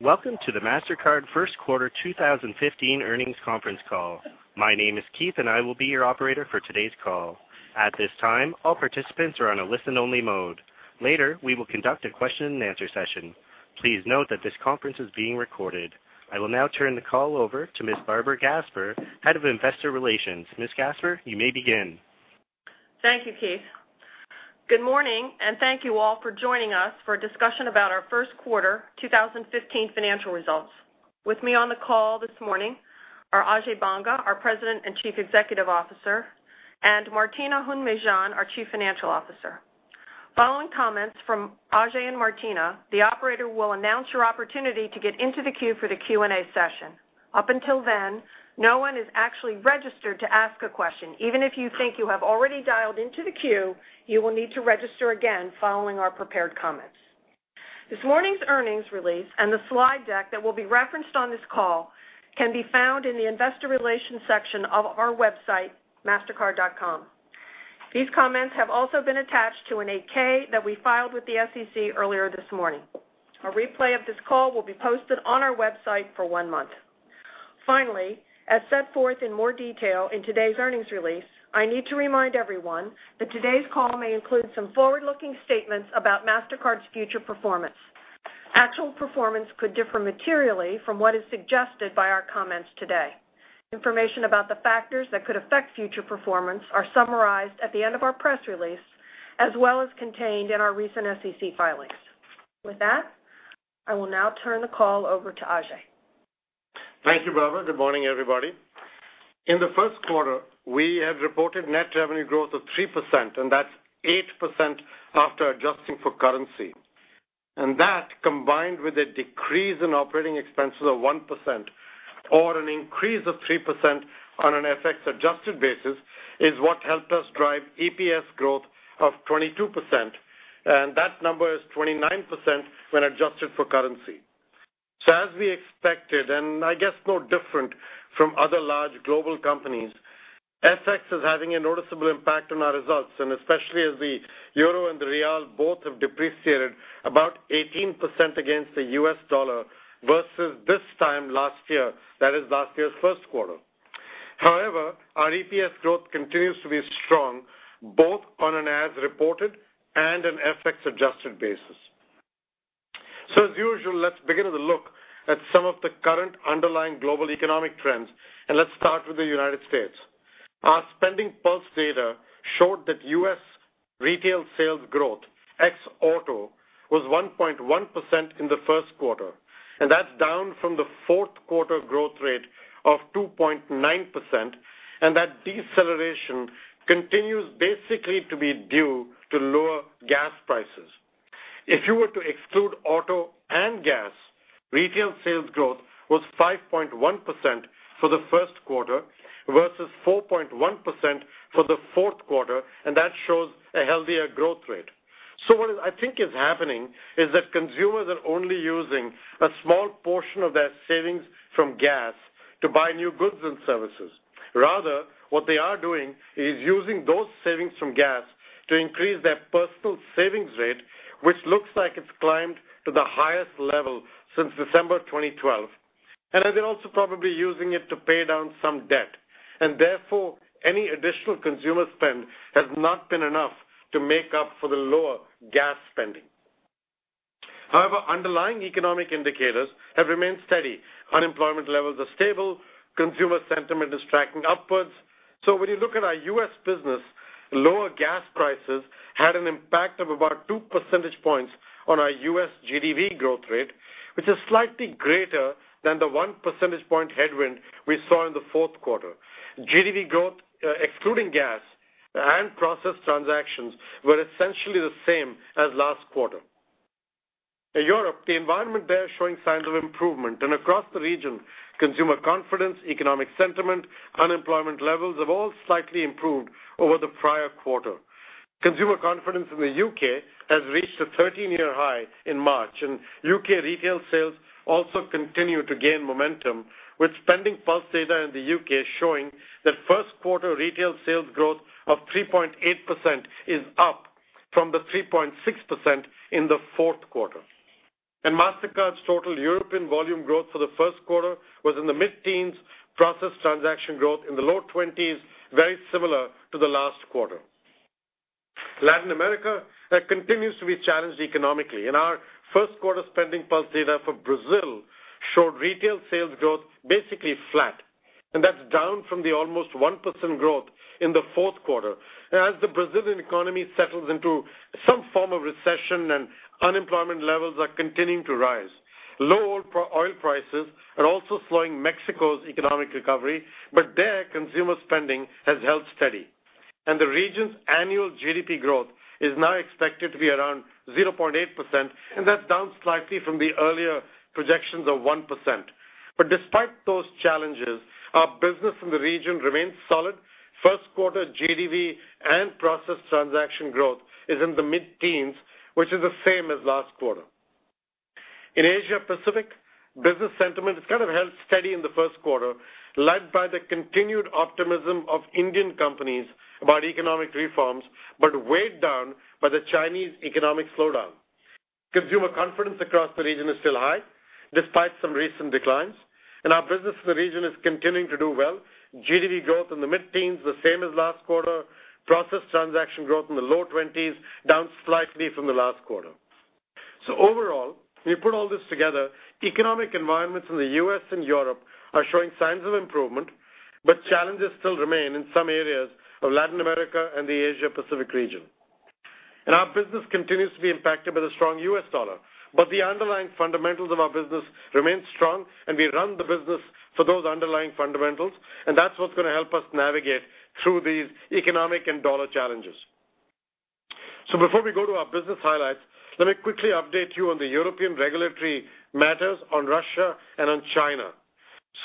Welcome to the Mastercard first quarter 2015 earnings conference call. My name is Keith and I will be your operator for today's call. At this time, all participants are on a listen-only mode. Later, we will conduct a question and answer session. Please note that this conference is being recorded. I will now turn the call over to Ms. Barbara Gasper, Head of Investor Relations. Ms. Gasper, you may begin. Thank you, Keith. Good morning, and thank you all for joining us for a discussion about our first quarter 2015 financial results. With me on the call this morning are Ajay Banga, our President and Chief Executive Officer, and Martina Hund-Mejean, our Chief Financial Officer. Following comments from Ajay and Martina, the operator will announce your opportunity to get into the queue for the Q&A session. Up until then, no one is actually registered to ask a question. Even if you think you have already dialed into the queue, you will need to register again following our prepared comments. This morning's earnings release and the slide deck that will be referenced on this call can be found in the investor relations section of our website, mastercard.com. These comments have also been attached to an 8-K that we filed with the SEC earlier this morning. A replay of this call will be posted on our website for one month. Finally, as set forth in more detail in today's earnings release, I need to remind everyone that today's call may include some forward-looking statements about Mastercard's future performance. Actual performance could differ materially from what is suggested by our comments today. Information about the factors that could affect future performance are summarized at the end of our press release, as well as contained in our recent SEC filings. With that, I will now turn the call over to Ajay. Thank you, Barbara. Good morning, everybody. In the first quarter, we have reported net revenue growth of 3%. That's 8% after adjusting for currency. That, combined with a decrease in operating expenses of 1%, or an increase of 3% on an FX-adjusted basis, is what helped us drive EPS growth of 22%. That number is 29% when adjusted for currency. As we expected, and I guess no different from other large global companies, FX is having a noticeable impact on our results, and especially as the euro and the real both have depreciated about 18% against the U.S. dollar versus this time last year, that is last year's first quarter. However, our EPS growth continues to be strong both on an as-reported and an FX-adjusted basis. As usual, let's begin with a look at some of the current underlying global economic trends, let's start with the U.S. Our SpendingPulse data showed that U.S. retail sales growth, ex auto, was 1.1% in the first quarter. That's down from the fourth quarter growth rate of 2.9%. That deceleration continues basically to be due to lower gas prices. If you were to exclude auto and gas, retail sales growth was 5.1% for the first quarter versus 4.1% for the fourth quarter, that shows a healthier growth rate. What I think is happening is that consumers are only using a small portion of their savings from gas to buy new goods and services. Rather, what they are doing is using those savings from gas to increase their personal savings rate, which looks like it's climbed to the highest level since December 2012. They're also probably using it to pay down some debt, therefore, any additional consumer spend has not been enough to make up for the lower gas spending. However, underlying economic indicators have remained steady. Unemployment levels are stable. Consumer sentiment is tracking upwards. When you look at our U.S. business, lower gas prices had an impact of about two percentage points on our U.S. GDV growth rate, which is slightly greater than the one percentage point headwind we saw in the fourth quarter. GDV growth, excluding gas and processed transactions, were essentially the same as last quarter. In Europe, the environment there is showing signs of improvement, across the region, consumer confidence, economic sentiment, unemployment levels have all slightly improved over the prior quarter. Consumer confidence in the U.K. has reached a 13-year high in March, U.K. retail sales also continue to gain momentum, with SpendingPulse data in the U.K. showing that first quarter retail sales growth of 3.8% is up from the 3.6% in the fourth quarter. Mastercard's total European volume growth for the first quarter was in the mid-teens, processed transaction growth in the low 20s, very similar to the last quarter. Latin America continues to be challenged economically, our first-quarter SpendingPulse data for Brazil showed retail sales growth basically flat, that's down from the almost 1% growth in the fourth quarter as the Brazilian economy settles into some form of recession, unemployment levels are continuing to rise. Lower oil prices are also slowing Mexico's economic recovery, there consumer spending has held steady. The region's annual GDP growth is now expected to be around 0.8%. That's down slightly from the earlier projections of 1%. Despite those challenges, our business in the region remains solid. First quarter GDV and processed transaction growth is in the mid-teens, which is the same as last quarter. In Asia Pacific, business sentiment has kind of held steady in the first quarter, led by the continued optimism of Indian companies about economic reforms, weighed down by the Chinese economic slowdown. Consumer confidence across the region is still high, despite some recent declines, our business in the region is continuing to do well. GDP growth in the mid-teens, the same as last quarter. Process transaction growth in the low 20s, down slightly from the last quarter. Overall, when you put all this together, economic environments in the U.S. and Europe are showing signs of improvement, challenges still remain in some areas of Latin America and the Asia Pacific region. Our business continues to be impacted by the strong US dollar. The underlying fundamentals of our business remain strong, and we run the business for those underlying fundamentals, and that's what's going to help us navigate through these economic and dollar challenges. Before we go to our business highlights, let me quickly update you on the European regulatory matters on Russia and on China.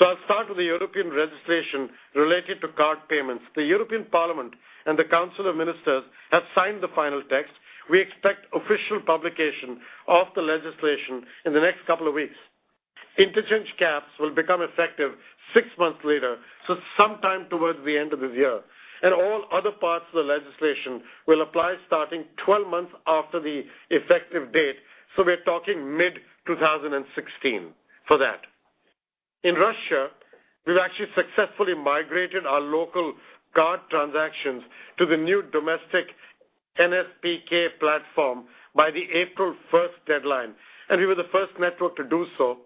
I'll start with the European registration related to card payments. The European Parliament and the Council of Ministers have signed the final text. We expect official publication of the legislation in the next couple of weeks. Interchange caps will become effective six months later, so sometime towards the end of this year. All other parts of the legislation will apply starting 12 months after the effective date, so we're talking mid-2016 for that. In Russia, we've actually successfully migrated our local card transactions to the new domestic NSPK platform by the April 1st deadline. We were the first network to do so.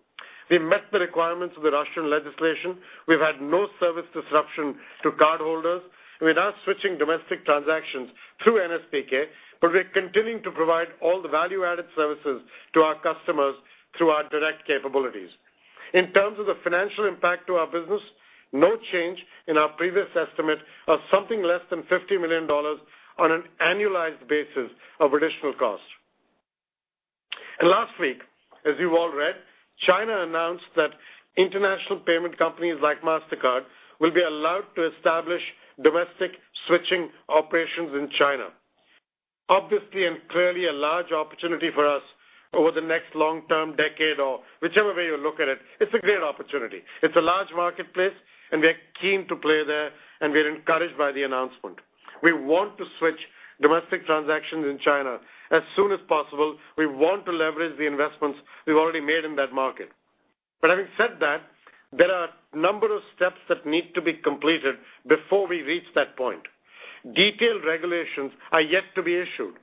We met the requirements of the Russian legislation. We've had no service disruption to cardholders. We're now switching domestic transactions through NSPK, we're continuing to provide all the value-added services to our customers through our direct capabilities. In terms of the financial impact to our business, no change in our previous estimate of something less than $50 million on an annualized basis of additional cost. Last week, as you've all read, China announced that international payment companies like Mastercard will be allowed to establish domestic switching operations in China. Obviously and clearly a large opportunity for us over the next long-term decade or whichever way you look at it. It's a great opportunity. It's a large marketplace, and we are keen to play there, and we are encouraged by the announcement. We want to switch domestic transactions in China as soon as possible. We want to leverage the investments we've already made in that market. Having said that, there are a number of steps that need to be completed before we reach that point. Detailed regulations are yet to be issued.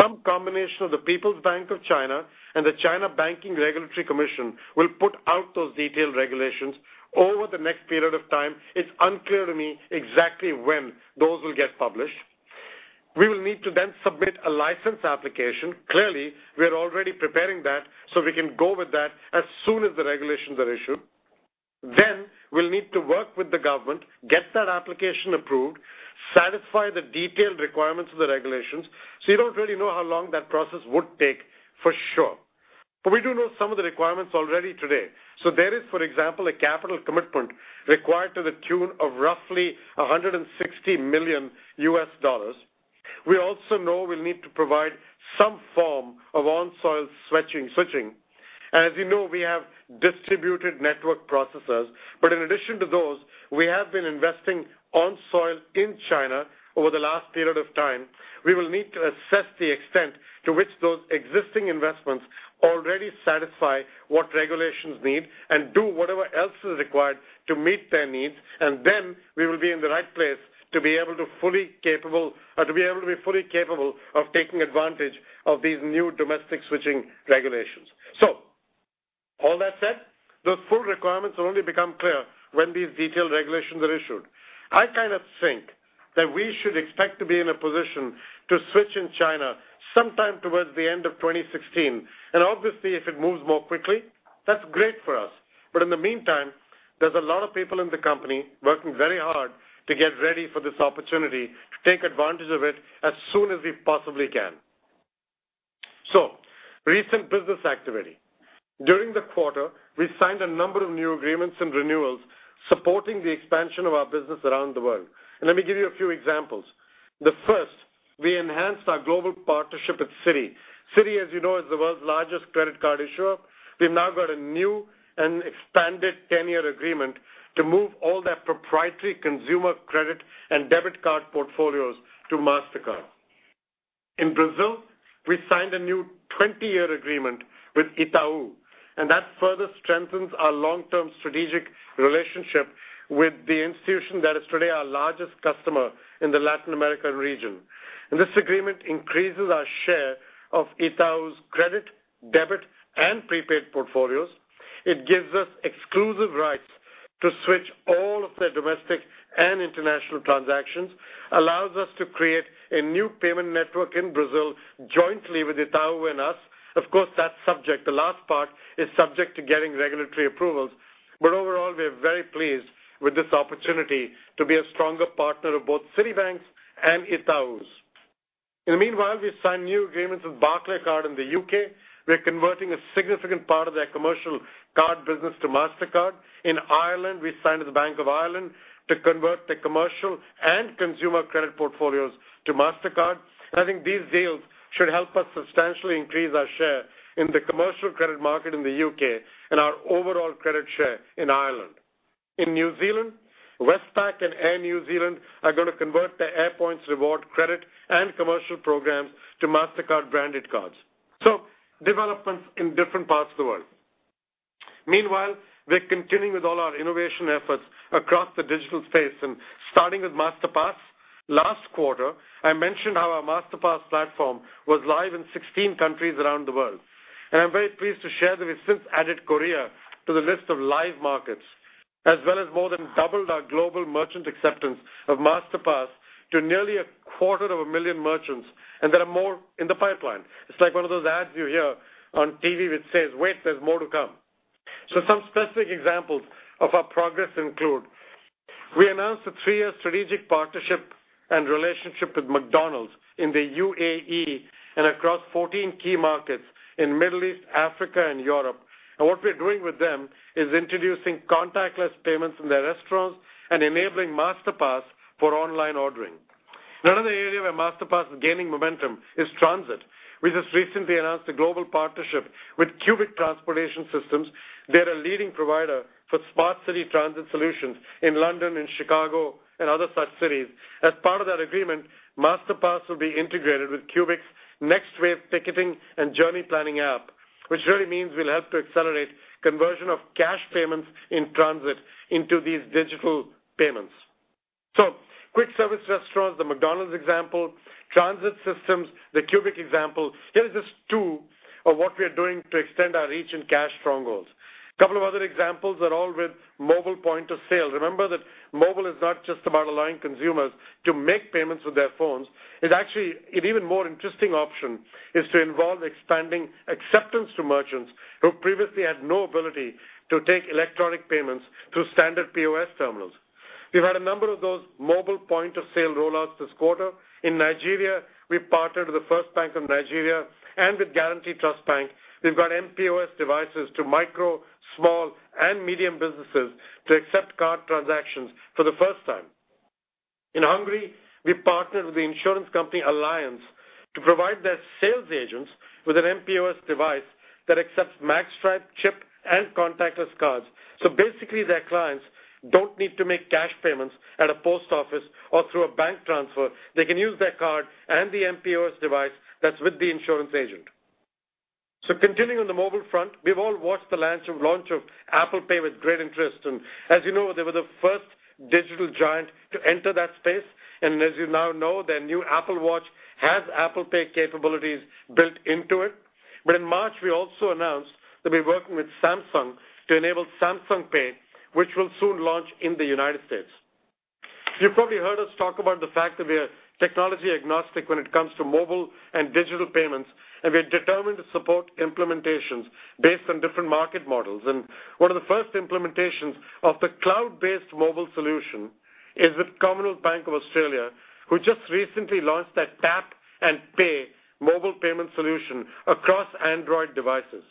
Some combination of the People's Bank of China and the China Banking Regulatory Commission will put out those detailed regulations over the next period of time. It's unclear to me exactly when those will get published. We will need to then submit a license application. Clearly, we're already preparing that so we can go with that as soon as the regulations are issued. We'll need to work with the government, get that application approved, satisfy the detailed requirements of the regulations. You don't really know how long that process would take for sure. We do know some of the requirements already today. There is, for example, a capital commitment required to the tune of roughly $160 million. We also know we'll need to provide some form of on-soil switching. As you know, we have distributed network processors, but in addition to those, we have been investing on soil in China over the last period of time. We will need to assess the extent to which those existing investments already satisfy what regulations need and do whatever else is required to meet their needs. We will be in the right place to be able to be fully capable of taking advantage of these new domestic switching regulations. All that said, those full requirements will only become clear when these detailed regulations are issued. I kind of think that we should expect to be in a position to switch in China sometime towards the end of 2016. Obviously, if it moves more quickly, that's great for us. In the meantime, there's a lot of people in the company working very hard to get ready for this opportunity to take advantage of it as soon as we possibly can. Recent business activity. During the quarter, we signed a number of new agreements and renewals supporting the expansion of our business around the world. Let me give you a few examples. The first, we enhanced our global partnership with Citi. Citi, as you know, is the world's largest credit card issuer. We've now got a new and expanded 10-year agreement to move all their proprietary consumer credit and debit card portfolios to Mastercard. In Brazil, we signed a new 20-year agreement with Itaú, and that further strengthens our long-term strategic relationship with the institution that is today our largest customer in the Latin American region. This agreement increases our share of Itaú's credit, debit, and prepaid portfolios. It gives us exclusive rights to switch all of their domestic and international transactions, allows us to create a new payment network in Brazil jointly with Itaú and us. Of course, the last part is subject to getting regulatory approvals. Overall, we are very pleased with this opportunity to be a stronger partner of both Citibank's and Itaú's. In the meanwhile, we've signed new agreements with Barclaycard in the U.K. We're converting a significant part of their commercial card business to Mastercard. In Ireland, we signed with the Bank of Ireland to convert the commercial and consumer credit portfolios to Mastercard. I think these deals should help us substantially increase our share in the commercial credit market in the U.K. and our overall credit share in Ireland. In New Zealand, Westpac and Air New Zealand are going to convert their AIR MILES reward credit and commercial programs to Mastercard branded cards. Developments in different parts of the world. Meanwhile, we're continuing with all our innovation efforts across the digital space and starting with Masterpass. Last quarter, I mentioned how our Masterpass platform was live in 16 countries around the world, and I'm very pleased to share that we've since added Korea to the list of live markets, as well as more than doubled our global merchant acceptance of Masterpass to nearly a quarter of a million merchants, and there are more in the pipeline. It's like one of those ads you hear on TV which says, "Wait, there's more to come." Some specific examples of our progress include, we announced a three-year strategic partnership and relationship with McDonald's in the UAE and across 14 key markets in Middle East, Africa, and Europe. What we're doing with them is introducing contactless payments in their restaurants and enabling Masterpass for online ordering. Another area where Masterpass is gaining momentum is transit. We just recently announced a global partnership with Cubic Transportation Systems. They're a leading provider for smart city transit solutions in London and Chicago and other such cities. As part of that agreement, Masterpass will be integrated with Cubic's next wave ticketing and journey planning app, which really means we'll help to accelerate conversion of cash payments in transit into these digital payments. Quick service restaurants, the McDonald's example, transit systems, the Cubic example. Here is just two of what we are doing to extend our reach in cash strongholds. Couple of other examples are all with mobile point-of-sale. Remember that mobile is not just about allowing consumers to make payments with their phones. It even more interesting option is to involve expanding acceptance to merchants who previously had no ability to take electronic payments through standard POS terminals. We've had a number of those mobile point-of-sale rollouts this quarter. In Nigeria, we partnered with the First Bank of Nigeria and with Guaranty Trust Bank. We've got mPOS devices to micro, small, and medium businesses to accept card transactions for the first time. In Hungary, we partnered with the insurance company, Allianz, to provide their sales agents with an mPOS device that accepts magstripe, chip, and contactless cards. Basically, their clients don't need to make cash payments at a post office or through a bank transfer. They can use their card and the mPOS device that's with the insurance agent. Continuing on the mobile front, we've all watched the launch of Apple Pay with great interest. As you know, they were the first digital giant to enter that space. As you now know, their new Apple Watch has Apple Pay capabilities built into it. In March, we also announced that we're working with Samsung to enable Samsung Pay, which will soon launch in the U.S. You probably heard us talk about the fact that we are technology agnostic when it comes to mobile and digital payments, and we are determined to support implementations based on different market models. One of the first implementations of the cloud-based mobile solution is with Commonwealth Bank of Australia, who just recently launched their tap-and-pay mobile payment solution across Android devices.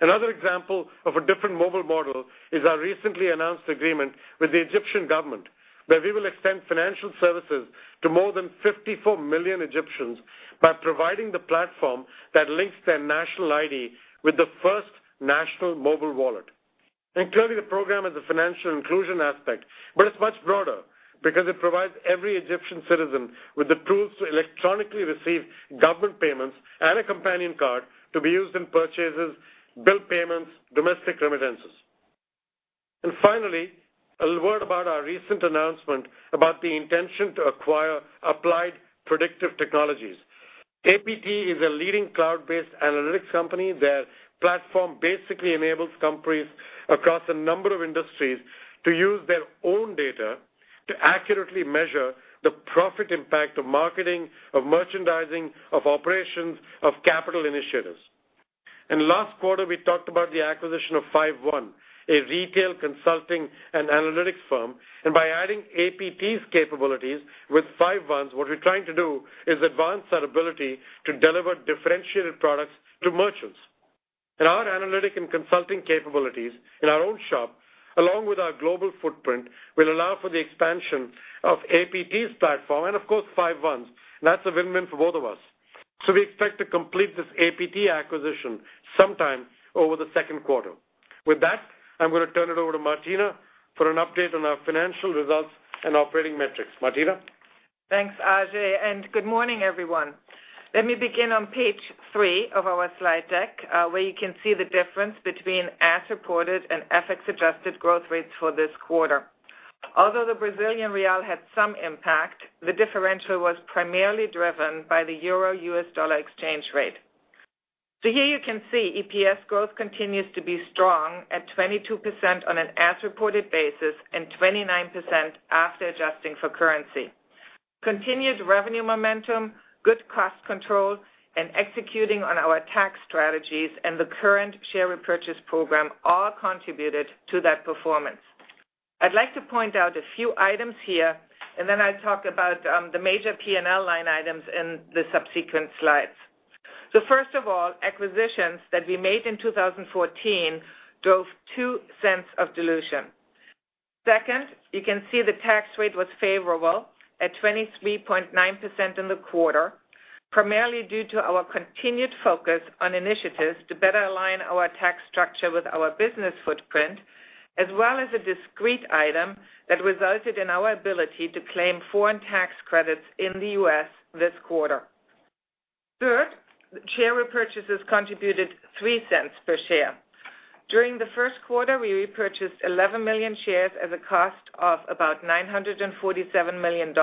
Another example of a different mobile model is our recently announced agreement with the Egyptian government, where we will extend financial services to more than 54 million Egyptians by providing the platform that links their national ID with the first national mobile wallet. Clearly, the program has a financial inclusion aspect, but it's much broader because it provides every Egyptian citizen with the tools to electronically receive government payments and a companion card to be used in purchases, bill payments, domestic remittances. Finally, a word about our recent announcement about the intention to acquire Applied Predictive Technologies. APT is a leading cloud-based analytics company. Their platform basically enables companies across a number of industries to use their own data to accurately measure the profit impact of marketing, of merchandising, of operations, of capital initiatives. Last quarter, we talked about the acquisition of 5one, a retail consulting and analytics firm. By adding APT's capabilities with 5one's, what we're trying to do is advance our ability to deliver differentiated products to merchants. Our analytic and consulting capabilities in our own shop, along with our global footprint, will allow for the expansion of APT's platform and of course, 5one's. That's a win-win for both of us. We expect to complete this APT acquisition sometime over the second quarter. With that, I'm going to turn it over to Martina for an update on our financial results and operating metrics. Martina? Thanks, Ajay. Good morning, everyone. Let me begin on page three of our slide deck, where you can see the difference between as-reported and FX-adjusted growth rates for this quarter. Although the Brazilian real had some impact, the differential was primarily driven by the euro-U.S. dollar exchange rate. Here you can see EPS growth continues to be strong at 22% on an as-reported basis and 29% after adjusting for currency. Continued revenue momentum, good cost control, and executing on our tax strategies and the current share repurchase program all contributed to that performance. I'd like to point out a few items here, and then I'll talk about the major P&L line items in the subsequent slides. First of all, acquisitions that we made in 2014 drove $0.02 of dilution. Second, you can see the tax rate was favorable at 23.9% in the quarter. Primarily due to our continued focus on initiatives to better align our tax structure with our business footprint, as well as a discrete item that resulted in our ability to claim foreign tax credits in the U.S. this quarter. Third, share repurchases contributed $0.03 per share. During the first quarter, we repurchased 11 million shares at a cost of about $947 million.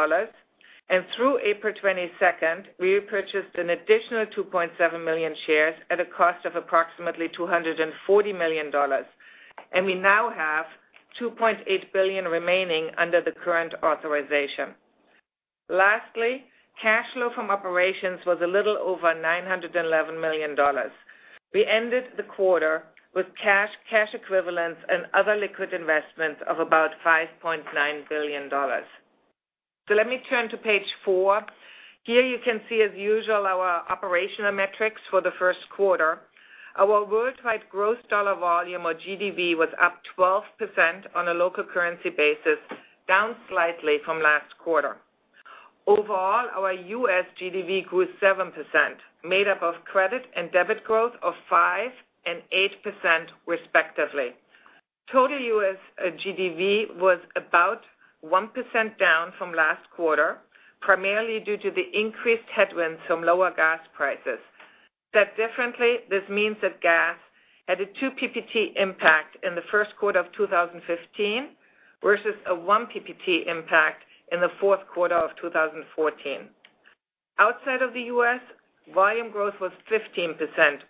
Through April 22nd, we repurchased an additional 2.7 million shares at a cost of approximately $240 million. We now have $2.8 billion remaining under the current authorization. Lastly, cash flow from operations was a little over $911 million. We ended the quarter with cash equivalents and other liquid investments of about $5.9 billion. Let me turn to page four. Here you can see as usual, our operational metrics for the first quarter. Our worldwide gross dollar volume or GDV was up 12% on a local currency basis, down slightly from last quarter. Overall, our U.S. GDV grew 7%, made up of credit and debit growth of 5% and 8% respectively. Total U.S. GDV was about 1% down from last quarter, primarily due to the increased headwinds from lower gas prices. Said differently, this means that gas had a two PPT impact in the first quarter of 2015 versus a one PPT impact in the fourth quarter of 2014. Outside of the U.S., volume growth was 15%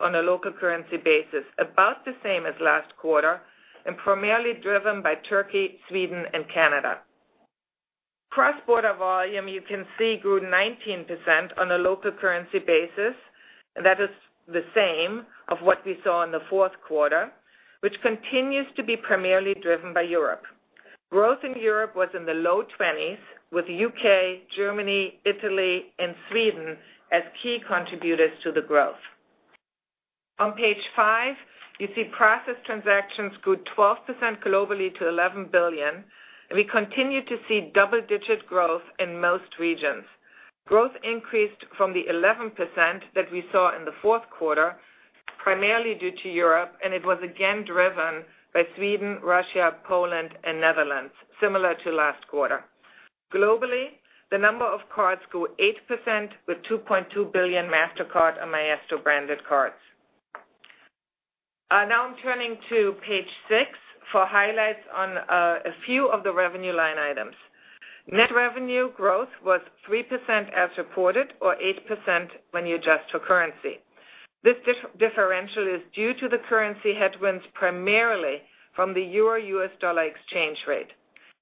on a local currency basis, about the same as last quarter, and primarily driven by Turkey, Sweden, and Canada. Cross-border volume, you can see grew 19% on a local currency basis. That is the same of what we saw in the fourth quarter, which continues to be primarily driven by Europe. Growth in Europe was in the low twenties with U.K., Germany, Italy, and Sweden as key contributors to the growth. On page five, you see processed transactions grew 12% globally to $11 billion. We continue to see double-digit growth in most regions. Growth increased from the 11% that we saw in the fourth quarter, primarily due to Europe, and it was again driven by Sweden, Russia, Poland and Netherlands, similar to last quarter. Globally, the number of cards grew 8% with $2.2 billion Mastercard and Maestro branded cards. Now I'm turning to page six for highlights on a few of the revenue line items. Net revenue growth was 3% as reported or 8% when you adjust for currency. This differential is due to the currency headwinds primarily from the EUR/US dollar exchange rate.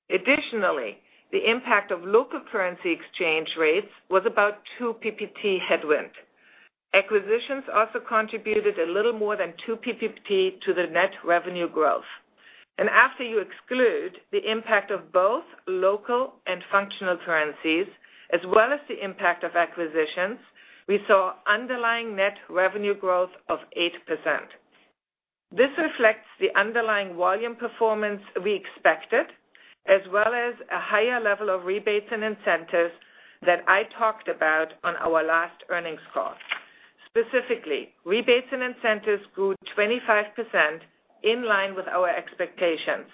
Additionally, the impact of local currency exchange rates was about two PPT headwind. After you exclude the impact of both local and functional currencies, as well as the impact of acquisitions, we saw underlying net revenue growth of 8%. This reflects the underlying volume performance we expected, as well as a higher level of rebates and incentives that I talked about on our last earnings call. Specifically, rebates and incentives grew 25% in line with our expectations,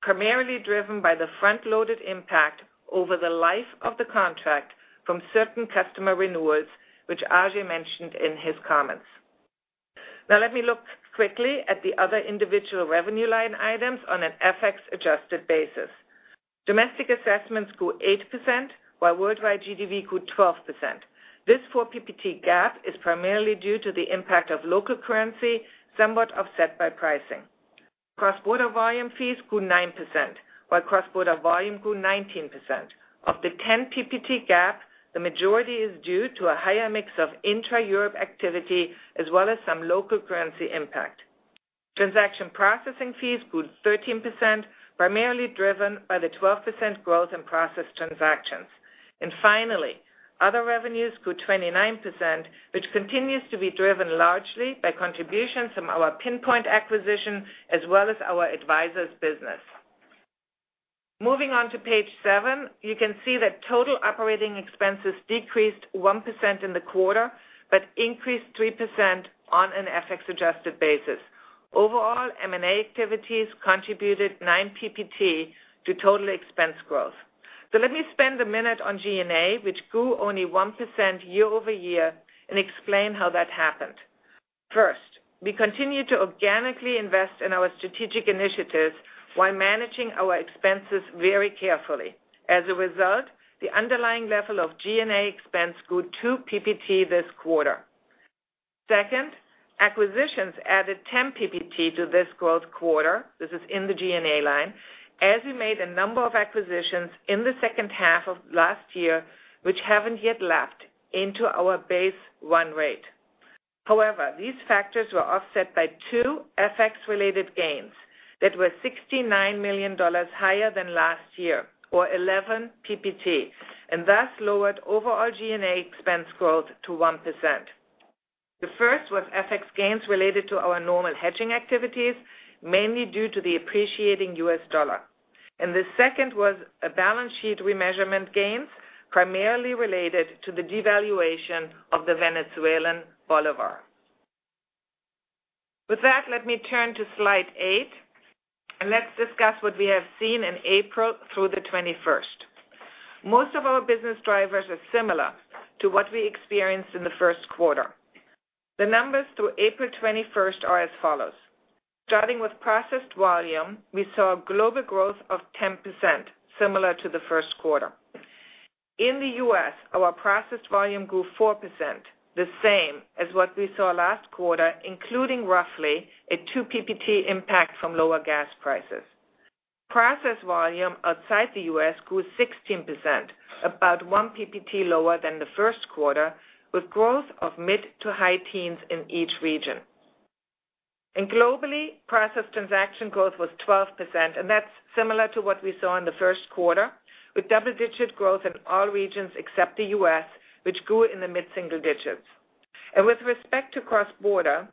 primarily driven by the front-loaded impact over the life of the contract from certain customer renewals, which Ajay mentioned in his comments. Now let me look quickly at the other individual revenue line items on an FX-adjusted basis. Domestic assessments grew 8%, while worldwide GDV grew 12%. This four PPT gap is primarily due to the impact of local currency, somewhat offset by pricing. Cross-border volume fees grew 9%, while cross-border volume grew 19%. Of the 10 PPT gap, the majority is due to a higher mix of intra-Europe activity, as well as some local currency impact. Transaction processing fees grew 13%, primarily driven by the 12% growth in processed transactions. Finally, other revenues grew 29%, which continues to be driven largely by contributions from our Pinpoint acquisition as well as our advisors business. Moving on to page seven, you can see that total operating expenses decreased 1% in the quarter, but increased 3% on an FX-adjusted basis. Overall, M&A activities contributed nine PPT to total expense growth. Let me spend a minute on G&A, which grew only 1% year-over-year, and explain how that happened. First, we continue to organically invest in our strategic initiatives while managing our expenses very carefully. As a result, the underlying level of G&A expense grew two PPT this quarter. Second, acquisitions added 10 PPT to this growth quarter, this is in the G&A line, as we made a number of acquisitions in the second half of last year, which haven't yet lapped into our base run rate. However, these factors were offset by two FX-related gains that were $69 million higher than last year, or 11 PPT, and thus lowered overall G&A expense growth to 1%. The first was FX gains related to our normal hedging activities, mainly due to the appreciating US dollar. The second was a balance sheet remeasurement gains, primarily related to the devaluation of the Venezuelan bolivar. With that, let me turn to slide eight, Let's discuss what we have seen in April through the 21st. Most of our business drivers are similar to what we experienced in the first quarter. The numbers through April 21st are as follows. Starting with processed volume, we saw a global growth of 10%, similar to the first quarter. In the U.S., our processed volume grew 4%, the same as what we saw last quarter, including roughly a 2 PPT impact from lower gas prices. Processed volume outside the U.S. grew 16%, about 1 PPT lower than the first quarter, with growth of mid to high teens in each region. Globally, processed transaction growth was 12%, and that's similar to what we saw in the first quarter, with double-digit growth in all regions except the U.S., which grew in the mid-single digits. With respect to cross-border,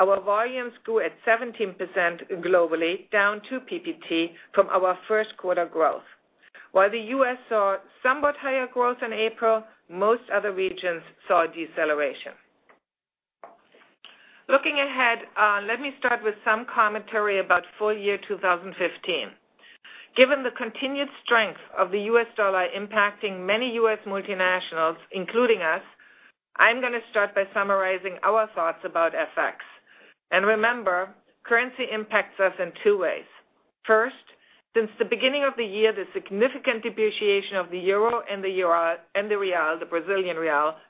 our volumes grew at 17% globally, down 2 PPT from our first quarter growth. While the U.S. saw somewhat higher growth in April, most other regions saw a deceleration. Looking ahead, let me start with some commentary about full year 2015. Given the continued strength of the U.S. dollar impacting many U.S. multinationals, including us, I'm going to start by summarizing our thoughts about FX. Remember, currency impacts us in two ways. First, since the beginning of the year, the significant depreciation of the EUR and the BRL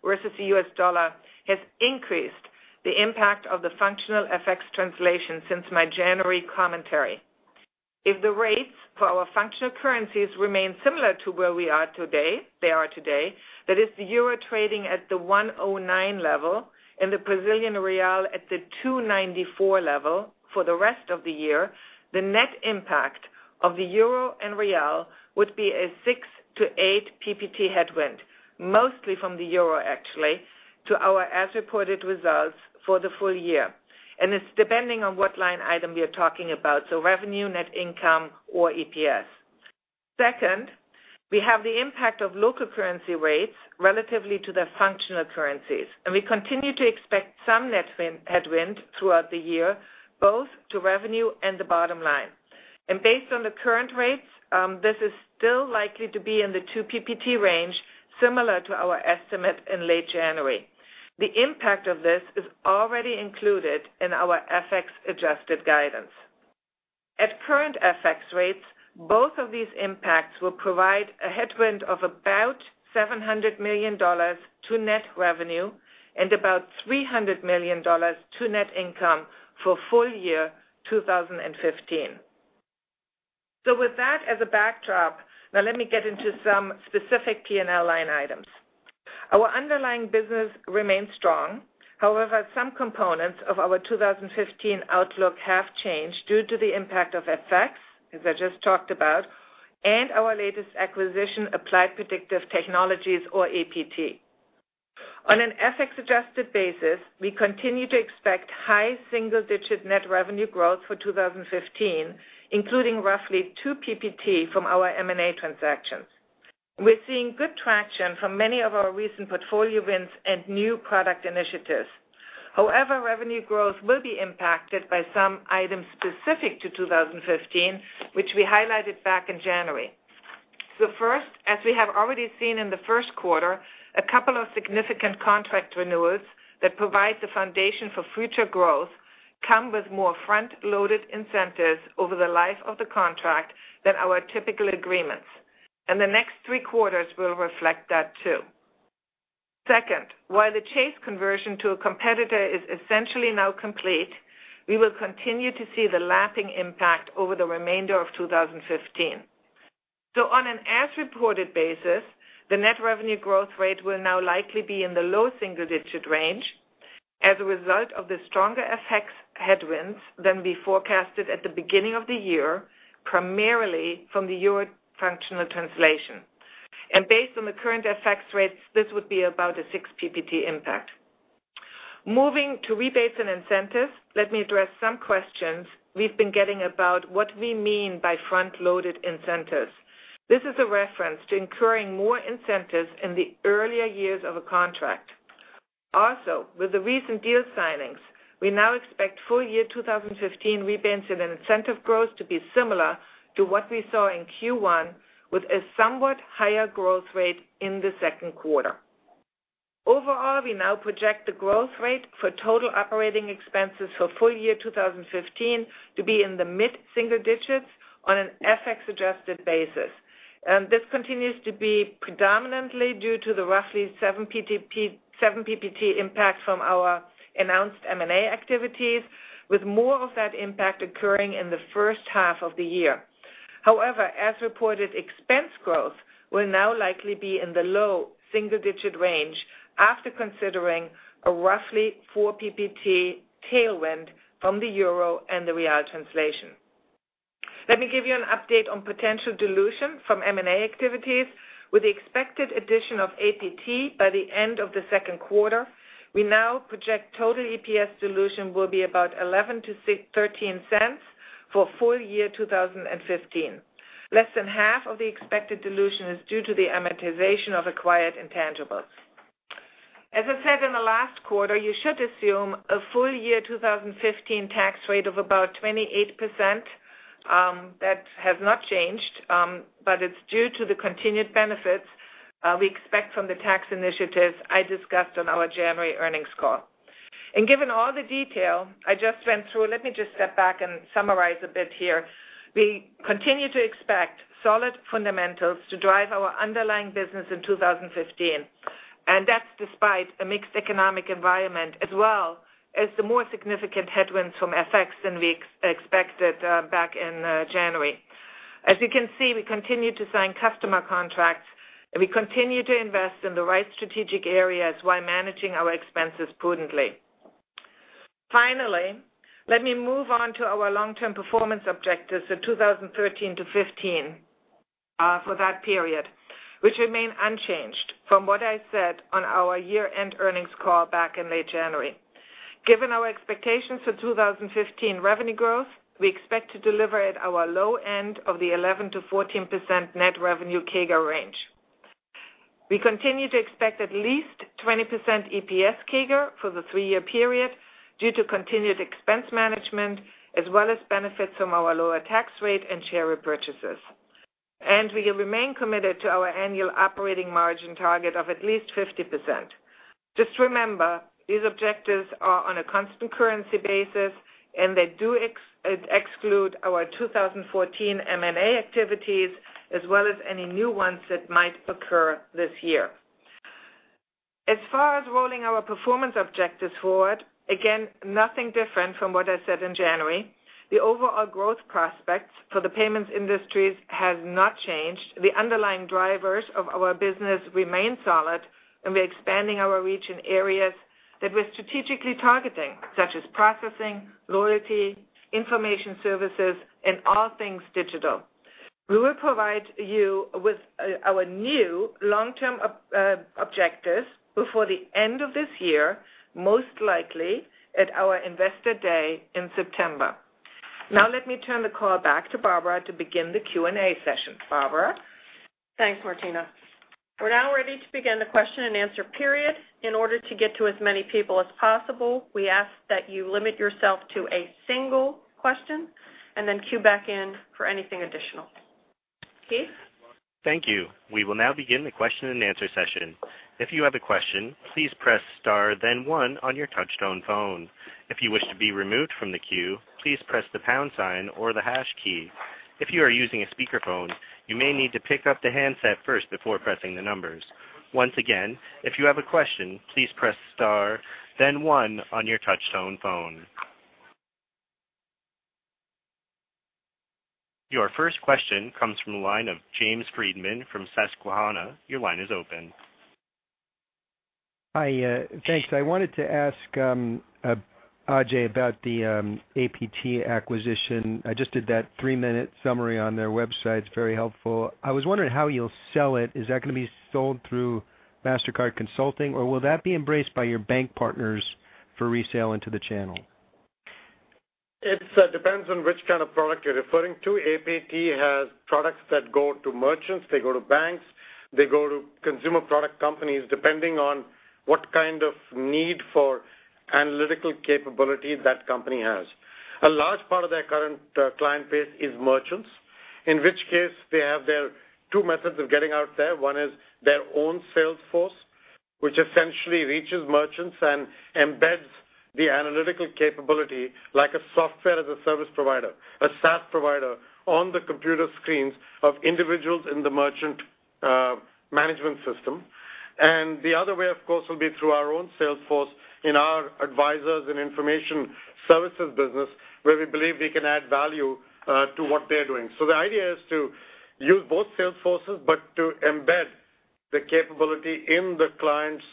versus the U.S. dollar has increased the impact of the functional FX translation since my January commentary. If the rates for our functional currencies remain similar to where we are today, they are today, that is the EUR trading at the 109 level and the BRL at the 294 level for the rest of the year, the net impact of the EUR and BRL would be a 6-8 PPT headwind, mostly from the EUR, actually, to our as-reported results for the full year. It's depending on what line item we are talking about, so revenue, net income or EPS. Second, we have the impact of local currency rates relatively to the functional currencies, and we continue to expect some net headwind throughout the year, both to revenue and the bottom line. Based on the current rates, this is still likely to be in the 2 PPT range, similar to our estimate in late January. The impact of this is already included in our FX-adjusted guidance. At current FX rates, both of these impacts will provide a headwind of about $700 million to net revenue and about $300 million to net income for full year 2015. With that as a backdrop, now let me get into some specific P&L line items. Our underlying business remains strong. However, some components of our 2015 outlook have changed due to the impact of FX, as I just talked about, and our latest acquisition, Applied Predictive Technologies, or APT. On an FX-adjusted basis, we continue to expect high single-digit net revenue growth for 2015, including roughly 2 PPT from our M&A transactions. We're seeing good traction from many of our recent portfolio wins and new product initiatives. However, revenue growth will be impacted by some items specific to 2015, which we highlighted back in January. First, as we have already seen in the first quarter, a couple of significant contract renewals that provide the foundation for future growth come with more front-loaded incentives over the life of the contract than our typical agreements. The next three quarters will reflect that too. Second, while the Chase conversion to a competitor is essentially now complete, we will continue to see the lapping impact over the remainder of 2015. On an as-reported basis, the net revenue growth rate will now likely be in the low single-digit range as a result of the stronger FX headwinds than we forecasted at the beginning of the year, primarily from the euro functional translation. Based on the current FX rates, this would be about a 6 PPT impact. Moving to rebates and incentives, let me address some questions we've been getting about what we mean by front-loaded incentives. This is a reference to incurring more incentives in the earlier years of a contract. Also, with the recent deal signings, we now expect full year 2015 rebates and incentive growth to be similar to what we saw in Q1, with a somewhat higher growth rate in the second quarter. Overall, we now project the growth rate for total operating expenses for full year 2015 to be in the mid-single digits on an FX-adjusted basis. This continues to be predominantly due to the roughly 7 PPT impact from our announced M&A activities, with more of that impact occurring in the first half of the year. However, as reported, expense growth will now likely be in the low single-digit range after considering a roughly 4 PPT tailwind from the euro and the real translation. Let me give you an update on potential dilution from M&A activities. With the expected addition of APT by the end of the second quarter, we now project total EPS dilution will be about $0.11 to $0.13 for full year 2015. Less than half of the expected dilution is due to the amortization of acquired intangibles. As I said in the last quarter, you should assume a full year 2015 tax rate of about 28%. That has not changed, but it's due to the continued benefits we expect from the tax initiatives I discussed on our January earnings call. Given all the detail I just went through, let me just step back and summarize a bit here. We continue to expect solid fundamentals to drive our underlying business in 2015, and that's despite a mixed economic environment as well as the more significant headwinds from FX than we expected back in January. As you can see, we continue to sign customer contracts, and we continue to invest in the right strategic areas while managing our expenses prudently. Finally, let me move on to our long-term performance objectives for 2013 to 2015, for that period, which remain unchanged from what I said on our year-end earnings call back in late January. Given our expectations for 2015 revenue growth, we expect to deliver at our low end of the 11%-14% net revenue CAGR range. We continue to expect at least 20% EPS CAGR for the three-year period due to continued expense management as well as benefits from our lower tax rate and share repurchases. We remain committed to our annual operating margin target of at least 50%. Just remember, these objectives are on a constant currency basis and they do exclude our 2014 M&A activities as well as any new ones that might occur this year. As far as rolling our performance objectives forward, again, nothing different from what I said in January. The overall growth prospects for the payments industries has not changed. The underlying drivers of our business remain solid, and we're expanding our reach in areas that we're strategically targeting, such as processing, loyalty, information services, and all things digital. We will provide you with our new long-term objectives before the end of this year, most likely at our investor day in September. Now let me turn the call back to Barbara to begin the Q&A session. Barbara? Thanks, Martina. We're now ready to begin the question-and-answer period. In order to get to as many people as possible, we ask that you limit yourself to a single question and then queue back in for anything additional. Keith? Thank you. We will now begin the question-and-answer session. If you have a question, please press star then one on your touch-tone phone. If you wish to be removed from the queue, please press the pound sign or the hash key. If you are using a speakerphone, you may need to pick up the handset first before pressing the numbers. Once again, if you have a question, please press star then one on your touch-tone phone. Your first question comes from the line of James Friedman from Susquehanna. Your line is open. Hi. Thanks. I wanted to ask Ajay about the APT acquisition. I just did that three-minute summary on their website. It's very helpful. I was wondering how you'll sell it. Is that going to be sold through Mastercard Consulting, or will that be embraced by your bank partners for resale into the channel? It depends on which kind of product you're referring to. APT has products that go to merchants, they go to banks, they go to consumer product companies, depending on what kind of need for analytical capability that company has. A large part of their current client base is merchants, in which case they have their two methods of getting out there. One is their own sales force, which essentially reaches merchants and embeds the analytical capability like a Software as a Service provider, a SaaS provider, on the computer screens of individuals in the merchant management system. The other way, of course, will be through our own sales force in our advisors and information services business, where we believe we can add value to what they're doing. The idea is to use both sales forces, but to embed the capability in the client's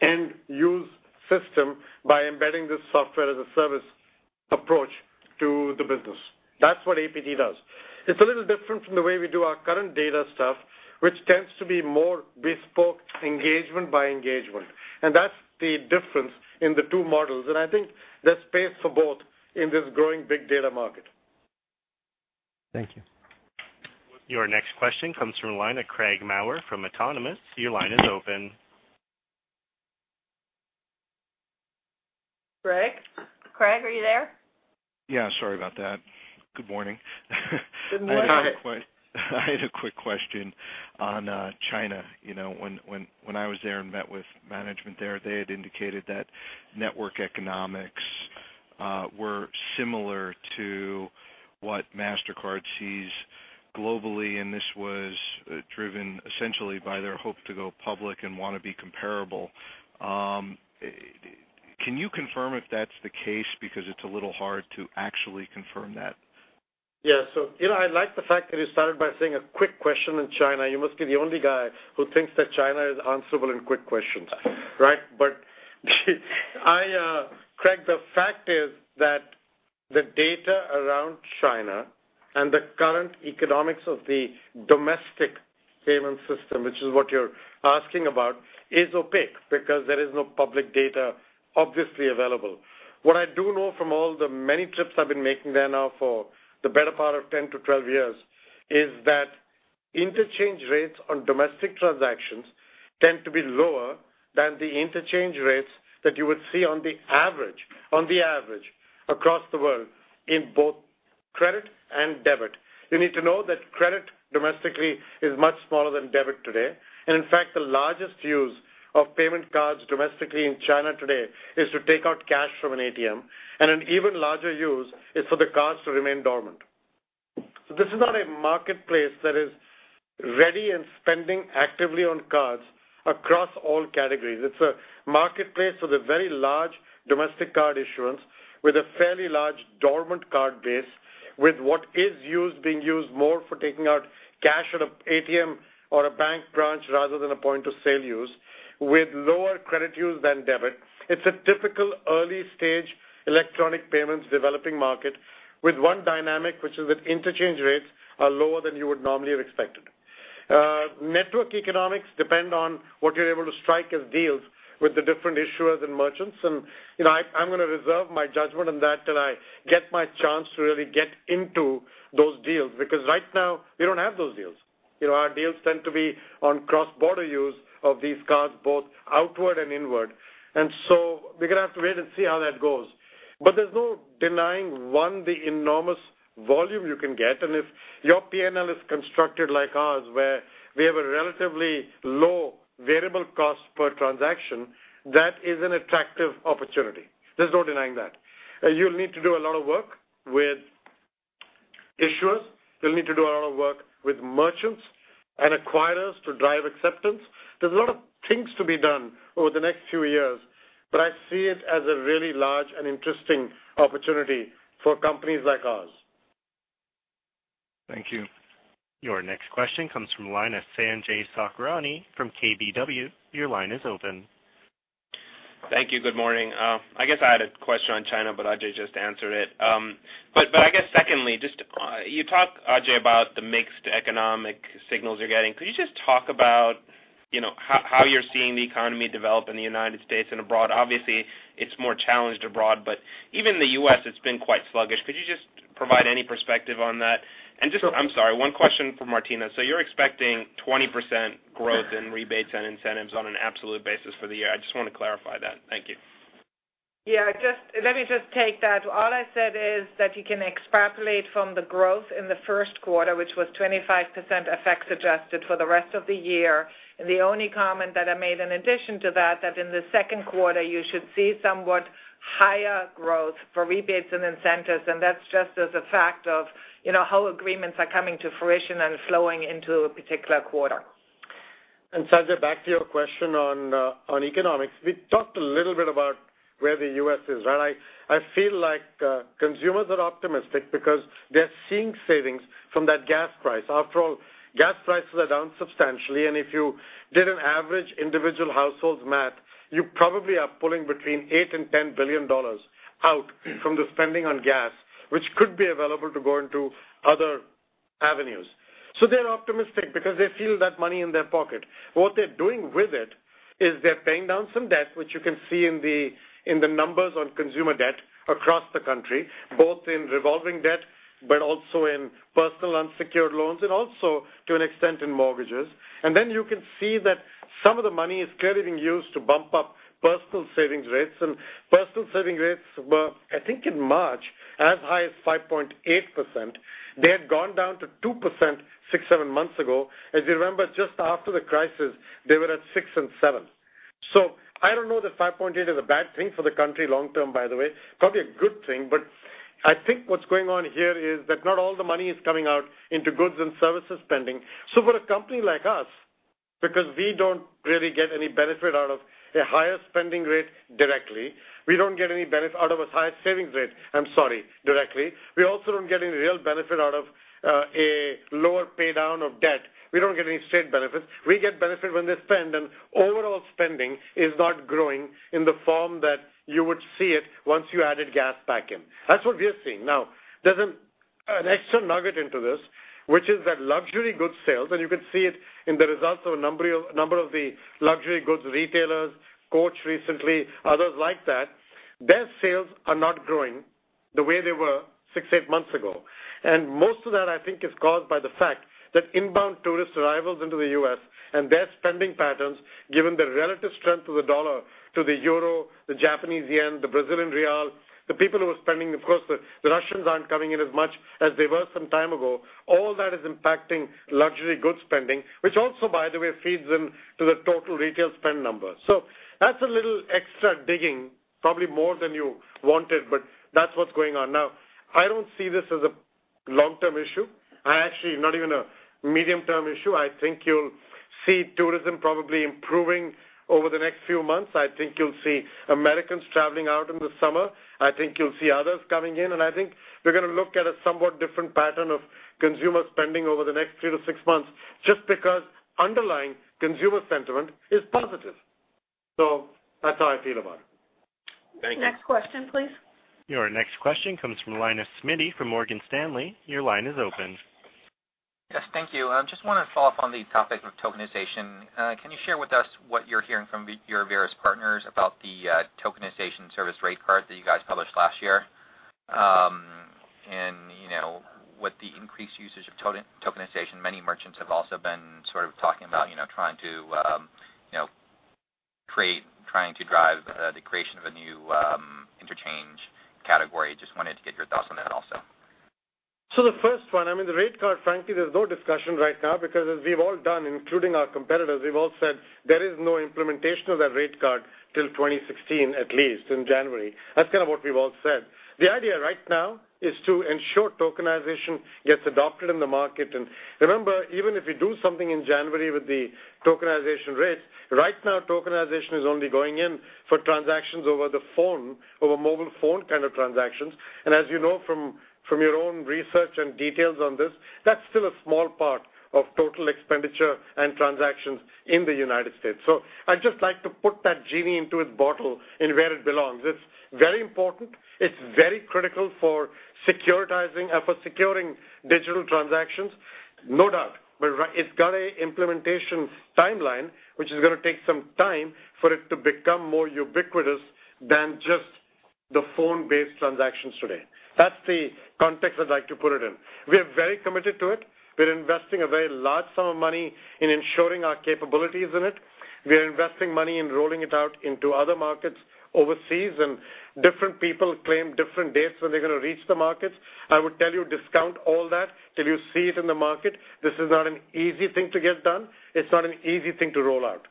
end-use system by embedding this Software-as-a-Service approach to the business. That's what APT does. It's a little different from the way we do our current data stuff, which tends to be more bespoke engagement by engagement. That's the difference in the two models. I think there's space for both in this growing big data market. Thank you. Your next question comes from the line of Craig Maurer from Autonomous. Your line is open. Craig? Craig, are you there? Yeah, sorry about that. Good morning. Good morning. I had a quick question on China. When I was there and met with management there, they had indicated that network economics were similar to what Mastercard sees globally, and this was driven essentially by their hope to go public and want to be comparable. Can you confirm if that's the case? Because it's a little hard to actually confirm that. I like the fact that you started by saying a quick question on China. You must be the only guy who thinks that China is answerable in quick questions, right? Craig, the fact is that the data around China and the current economics of the domestic payment system, which is what you're asking about, is opaque because there is no public data obviously available. What I do know from all the many trips I've been making there now for the better part of 10 to 12 years, is that interchange rates on domestic transactions tend to be lower than the interchange rates that you would see on the average across the world in both credit and debit. You need to know that credit domestically is much smaller than debit today. In fact, the largest use of payment cards domestically in China today is to take out cash from an ATM, and an even larger use is for the cards to remain dormant. This is not a marketplace that is ready and spending actively on cards across all categories. It's a marketplace with a very large domestic card issuance, with a fairly large dormant card base, with what is used being used more for taking out cash at an ATM or a bank branch rather than a point-of-sale use, with lower credit use than debit. It's a typical early-stage electronic payments developing market with one dynamic, which is that interchange rates are lower than you would normally have expected. Network economics depend on what you're able to strike as deals with the different issuers and merchants. I'm going to reserve my judgment on that till I get my chance to really get into those deals because right now we don't have those deals. Our deals tend to be on cross-border use of these cards both outward and inward. We're going to have to wait and see how that goes. There's no denying, one, the enormous volume you can get, and if your P&L is constructed like ours where we have a relatively low variable cost per transaction, that is an attractive opportunity. There's no denying that. You'll need to do a lot of work with issuers. You'll need to do a lot of work with merchants and acquirers to drive acceptance. There's a lot of things to be done over the next few years, but I see it as a really large and interesting opportunity for companies like ours. Thank you. Your next question comes from the line of Sanjay Sakhrani from KBW. Your line is open. Thank you. Good morning. I guess I had a question on China, but Ajay just answered it. I guess secondly, you talked, Ajay, about the mixed economic signals you're getting. Could you just talk about how you're seeing the economy develop in the United States and abroad? Obviously, it's more challenged abroad, but even the U.S. it's been quite sluggish. Could you just provide any perspective on that? I'm sorry, one question for Martina. You're expecting 20% growth in rebates and incentives on an absolute basis for the year. I just want to clarify that. Thank you. Yeah. Let me just take that. All I said is that you can extrapolate from the growth in the first quarter, which was 25% FX adjusted for the rest of the year. The only comment that I made in addition to that in the second quarter you should see somewhat higher growth for rebates and incentives, and that's just as a fact of how agreements are coming to fruition and flowing into a particular quarter. Sanjay, back to your question on economics. We talked a little bit about where the U.S. is, right? I feel like consumers are optimistic because they're seeing savings from that gas price. After all, gas prices are down substantially, and if you did an average individual household's math, you probably are pulling between $8 billion and $10 billion out from the spending on gas, which could be available to go into other avenues. They're optimistic because they feel that money in their pocket. What they're doing with it is they're paying down some debt, which you can see in the numbers on consumer debt across the country, both in revolving debt, but also in personal unsecured loans and also to an extent in mortgages. You can see that some of the money is clearly being used to bump up personal savings rates. Personal savings rates were, I think in March, as high as 5.8%. They had gone down to 2% six, seven months ago. As you remember, just after the crisis, they were at six and seven. I don't know that 5.8 is a bad thing for the country long term, by the way. Probably a good thing, I think what's going on here is that not all the money is coming out into goods and services spending. For a company like us, because we don't really get any benefit out of a higher spending rate directly, we don't get any benefit out of a higher savings rate, I'm sorry, directly. We also don't get any real benefit out of a lower pay down of debt. We don't get any straight benefits. We get benefit when they spend, overall spending is not growing in the form that you would see it once you added gas back in. That's what we are seeing. There's an extra nugget into this, which is that luxury goods sales, and you can see it in the results of a number of the luxury goods retailers, Coach recently, others like that. Their sales are not growing the way they were six, eight months ago. Most of that, I think, is caused by the fact that inbound tourist arrivals into the U.S. and their spending patterns, given the relative strength of the dollar to the euro, the Japanese yen, the Brazilian real, the people who are spending, of course, the Russians aren't coming in as much as they were some time ago. All that is impacting luxury goods spending, which also, by the way, feeds into the total retail spend number. That's a little extra digging, probably more than you wanted, but that's what's going on. I don't see this as a long-term issue. Not even a medium-term issue. I think you'll see tourism probably improving over the next few months. I think you'll see Americans traveling out in the summer. I think you'll see others coming in, I think we're going to look at a somewhat different pattern of consumer spending over the next three to six months just because underlying consumer sentiment is positive. That's how I feel about it. Next question, please. Your next question comes from the line of Smitty from Morgan Stanley. Your line is open. Yes, thank you. I just want to follow up on the topic of tokenization. Can you share with us what you're hearing from your various partners about the tokenization service rate card that you guys published last year? With the increased usage of tokenization, many merchants have also been talking about trying to drive the creation of a new interchange category. I just wanted to get your thoughts on that also. The first one, the rate card, frankly, there's no discussion right now because as we've all done, including our competitors, we've all said there is no implementation of that rate card till 2016, at least in January. That's kind of what we've all said. The idea right now is to ensure tokenization gets adopted in the market. Remember, even if we do something in January with the tokenization rates, right now tokenization is only going in for transactions over the phone, over mobile phone kind of transactions. As you know from your own research and details on this, that's still a small part of total expenditure and transactions in the U.S. So I'd just like to put that genie into its bottle in where it belongs. It's very important. It's very critical for securing digital transactions, no doubt. It's got an implementation timeline, which is going to take some time for it to become more ubiquitous than just the phone-based transactions today. That's the context I'd like to put it in. We are very committed to it. We're investing a very large sum of money in ensuring our capabilities in it. We are investing money in rolling it out into other markets overseas, different people claim different dates when they're going to reach the markets. I would tell you, discount all that till you see it in the market. This is not an easy thing to get done. It's not an easy thing to roll out.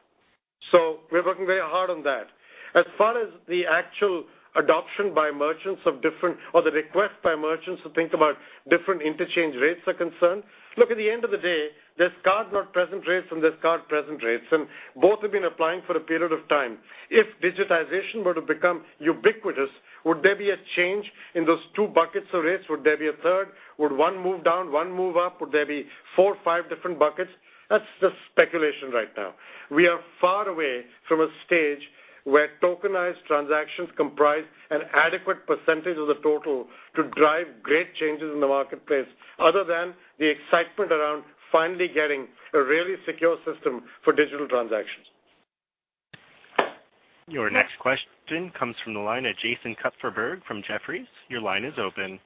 We're working very hard on that. As far as the actual adoption by merchants of different, or the request by merchants to think about different interchange rates are concerned, look, at the end of the day, there's card-not-present rates and there's card-present rates, and both have been applying for a period of time. If digitization were to become ubiquitous, would there be a change in those two buckets of rates? Would there be a third? Would one move down, one move up? Would there be four or five different buckets? That's just speculation right now. We are far away from a stage where tokenized transactions comprise an adequate percentage of the total to drive great changes in the marketplace other than the excitement around finally getting a really secure system for digital transactions. Your next question comes from the line of Jason Kupferberg from Jefferies. Your line is open.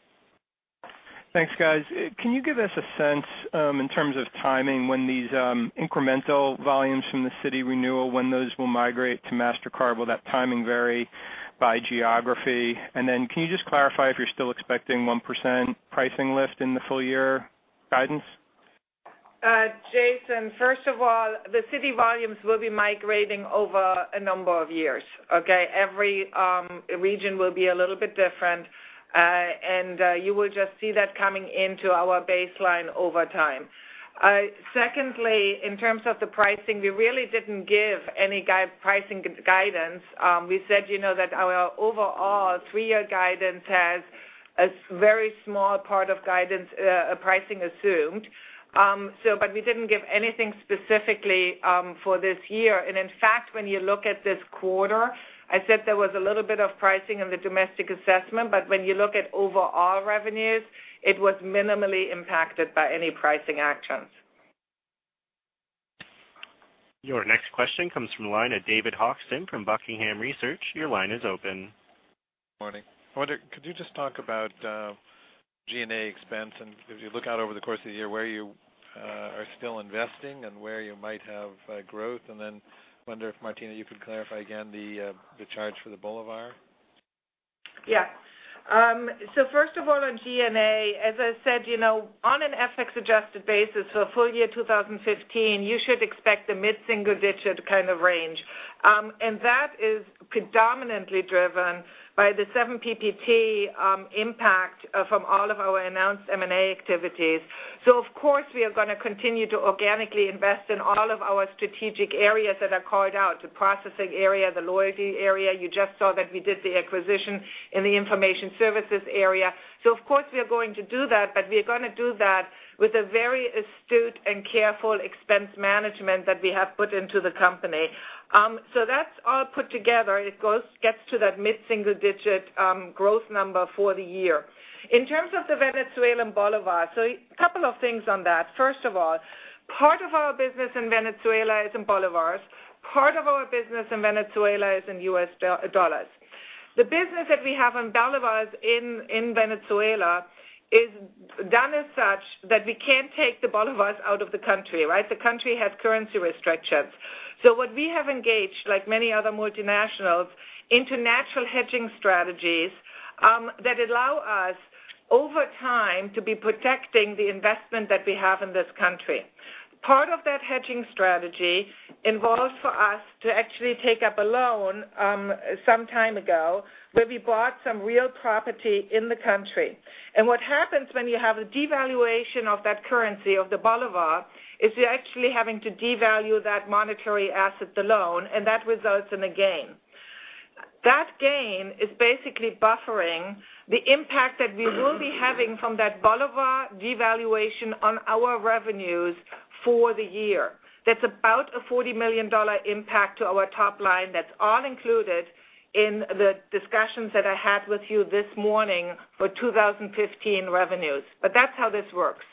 Thanks, guys. Can you give us a sense in terms of timing when these incremental volumes from the Citi renewal, when those will migrate to Mastercard? Will that timing vary by geography? Can you just clarify if you're still expecting 1% pricing lift in the full-year guidance? Jason, first of all, the Citi volumes will be migrating over a number of years. Okay? You will just see that coming into our baseline over time. Secondly, in terms of the pricing, we really didn't give any pricing guidance. We said that our overall three-year guidance has a very small part of pricing assumed. We didn't give anything specifically for this year. In fact, when you look at this quarter, I said there was a little bit of pricing in the domestic assessment. When you look at overall revenues, it was minimally impacted by any pricing actions. Your next question comes from the line of David Hochstim from Buckingham Research. Your line is open. Morning. I wonder, could you just talk about G&A expense and as you look out over the course of the year, where you are still investing and where you might have growth? Then wonder if, Martina, you could clarify again the charge for the bolivar? First of all, on G&A, as I said, on an FX-adjusted basis for full-year 2015, you should expect a mid-single-digit kind of range. That is predominantly driven by the 7 PPT impact from all of our announced M&A activities. Of course, we are going to continue to organically invest in all of our strategic areas that are called out, the processing area, the loyalty area. You just saw that we did the acquisition in the information services area. Of course, we are going to do that, but we are going to do that with a very astute and careful expense management that we have put into the company. That's all put together. It gets to that mid-single-digit growth number for the year. In terms of the Venezuelan bolivar, a couple of things on that. First of all, part of our business in Venezuela is in bolívars. Part of our business in Venezuela is in U.S. dollars. The business that we have in bolívars in Venezuela is done as such that we can't take the bolívars out of the country, right? The country has currency restrictions. What we have engaged, like many other multinationals, into natural hedging strategies that allow us over time to be protecting the investment that we have in this country. Part of that hedging strategy involves for us to actually take up a loan some time ago where we bought some real property in the country. What happens when you have a devaluation of that currency of the bolívar is you're actually having to devalue that monetary asset, the loan, and that results in a gain. That gain is basically buffering the impact that we will be having from that bolivar devaluation on our revenues for the year. That's about a $40 million impact to our top line. That's all included in the discussions that I had with you this morning for 2015 revenues. That's how this works.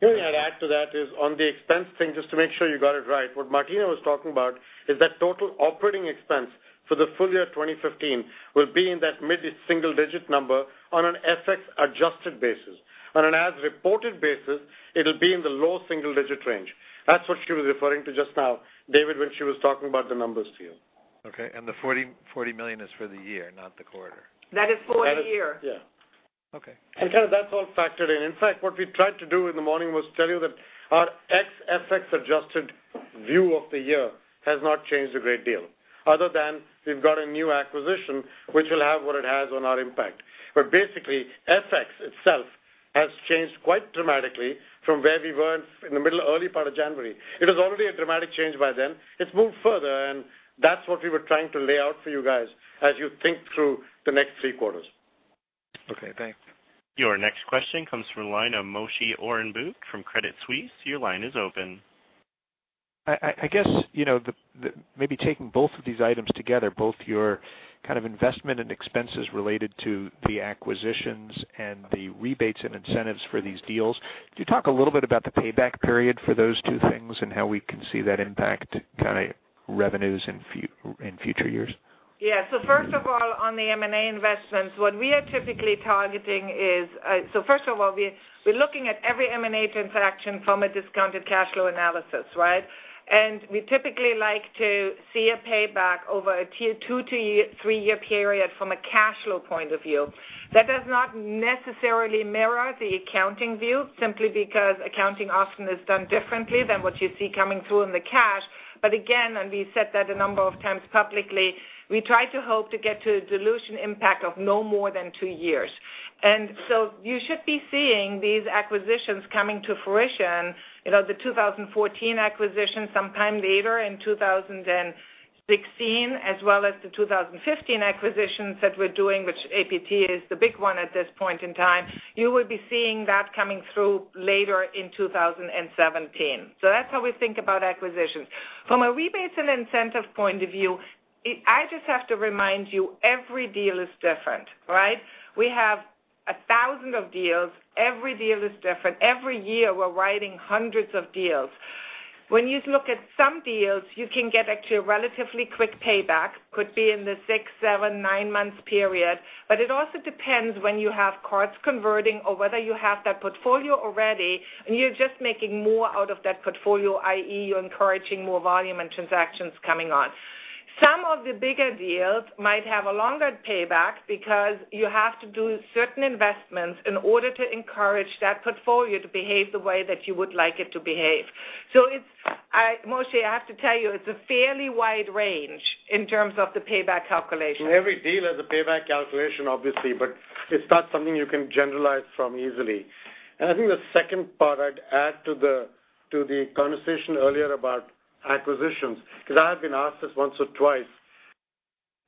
The only thing I'd add to that is on the expense thing, just to make sure you got it right. What Martina was talking about is that total operating expense for the full year 2015 will be in that mid-single digit number on an FX-adjusted basis. On an as-reported basis, it'll be in the low single-digit range. That's what she was referring to just now, David, when she was talking about the numbers to you. Okay. The $40 million is for the year, not the quarter. That is for the year. That is, yeah. Okay. Kind of that's all factored in. In fact, what we tried to do in the morning was tell you that our ex FX adjusted view of the year has not changed a great deal, other than we've got a new acquisition which will have what it has on our impact. Basically, FX itself has changed quite dramatically from where we were in the middle, early part of January. It was already a dramatic change by then. It's moved further, that's what we were trying to lay out for you guys as you think through the next three quarters. Okay, thanks. Your next question comes from the line of Moshe Orenbuch from Credit Suisse. Your line is open. I guess, maybe taking both of these items together, both your kind of investment and expenses related to the acquisitions and the rebates and incentives for these deals, could you talk a little bit about the payback period for those two things and how we can see that impact kind of revenues in future years? Yeah. First of all, on the M&A investments, what we are typically targeting is. First of all, we're looking at every M&A transaction from a discounted cash flow analysis, right? We typically like to see a payback over a two to three-year period from a cash flow point of view. That does not necessarily mirror the accounting view, simply because accounting often is done differently than what you see coming through in the cash. Again, we said that a number of times publicly, we try to hope to get to a dilution impact of no more than two years. You should be seeing these acquisitions coming to fruition, the 2014 acquisition sometime later in 2016, as well as the 2015 acquisitions that we're doing, which APT is the big one at this point in time. You will be seeing that coming through later in 2017. That's how we think about acquisitions. From a rebates and incentive point of view, I just have to remind you, every deal is different, right? We have a 1,000 deals. Every deal is different. Every year, we're writing hundreds of deals. When you look at some deals, you can get actually a relatively quick payback, could be in the six, seven, nine months period. It also depends when you have cards converting or whether you have that portfolio already and you're just making more out of that portfolio, i.e., you're encouraging more volume and transactions coming on. Some of the bigger deals might have a longer payback because you have to do certain investments in order to encourage that portfolio to behave the way that you would like it to behave. Moshe, I have to tell you, it's a fairly wide range in terms of the payback calculation. Every deal has a payback calculation, obviously, but it's not something you can generalize from easily. I think the second part I'd add to the conversation earlier about acquisitions, because I have been asked this once or twice.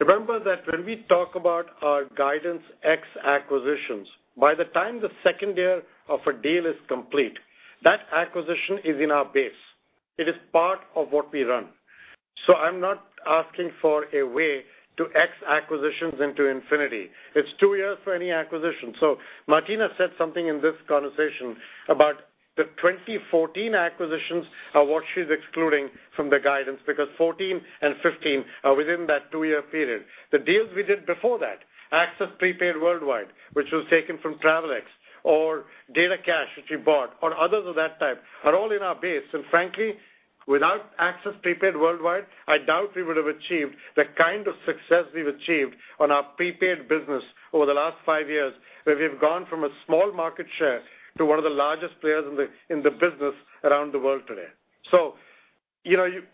Remember that when we talk about our guidance ex acquisitions, by the time the second year of a deal is complete, that acquisition is in our base. It is part of what we run. I'm not asking for a way to ex acquisitions into infinity. It's two years for any acquisition. Martina said something in this conversation about the 2014 acquisitions are what she's excluding from the guidance because 2014 and 2015 are within that two-year period. The deals we did before that, Access Prepaid Worldwide, which was taken from Travelex, or DataCash, which we bought, or others of that type, are all in our base. Frankly, without Access Prepaid Worldwide, I doubt we would have achieved the kind of success we've achieved on our prepaid business over the last five years, where we've gone from a small market share to one of the largest players in the business around the world today.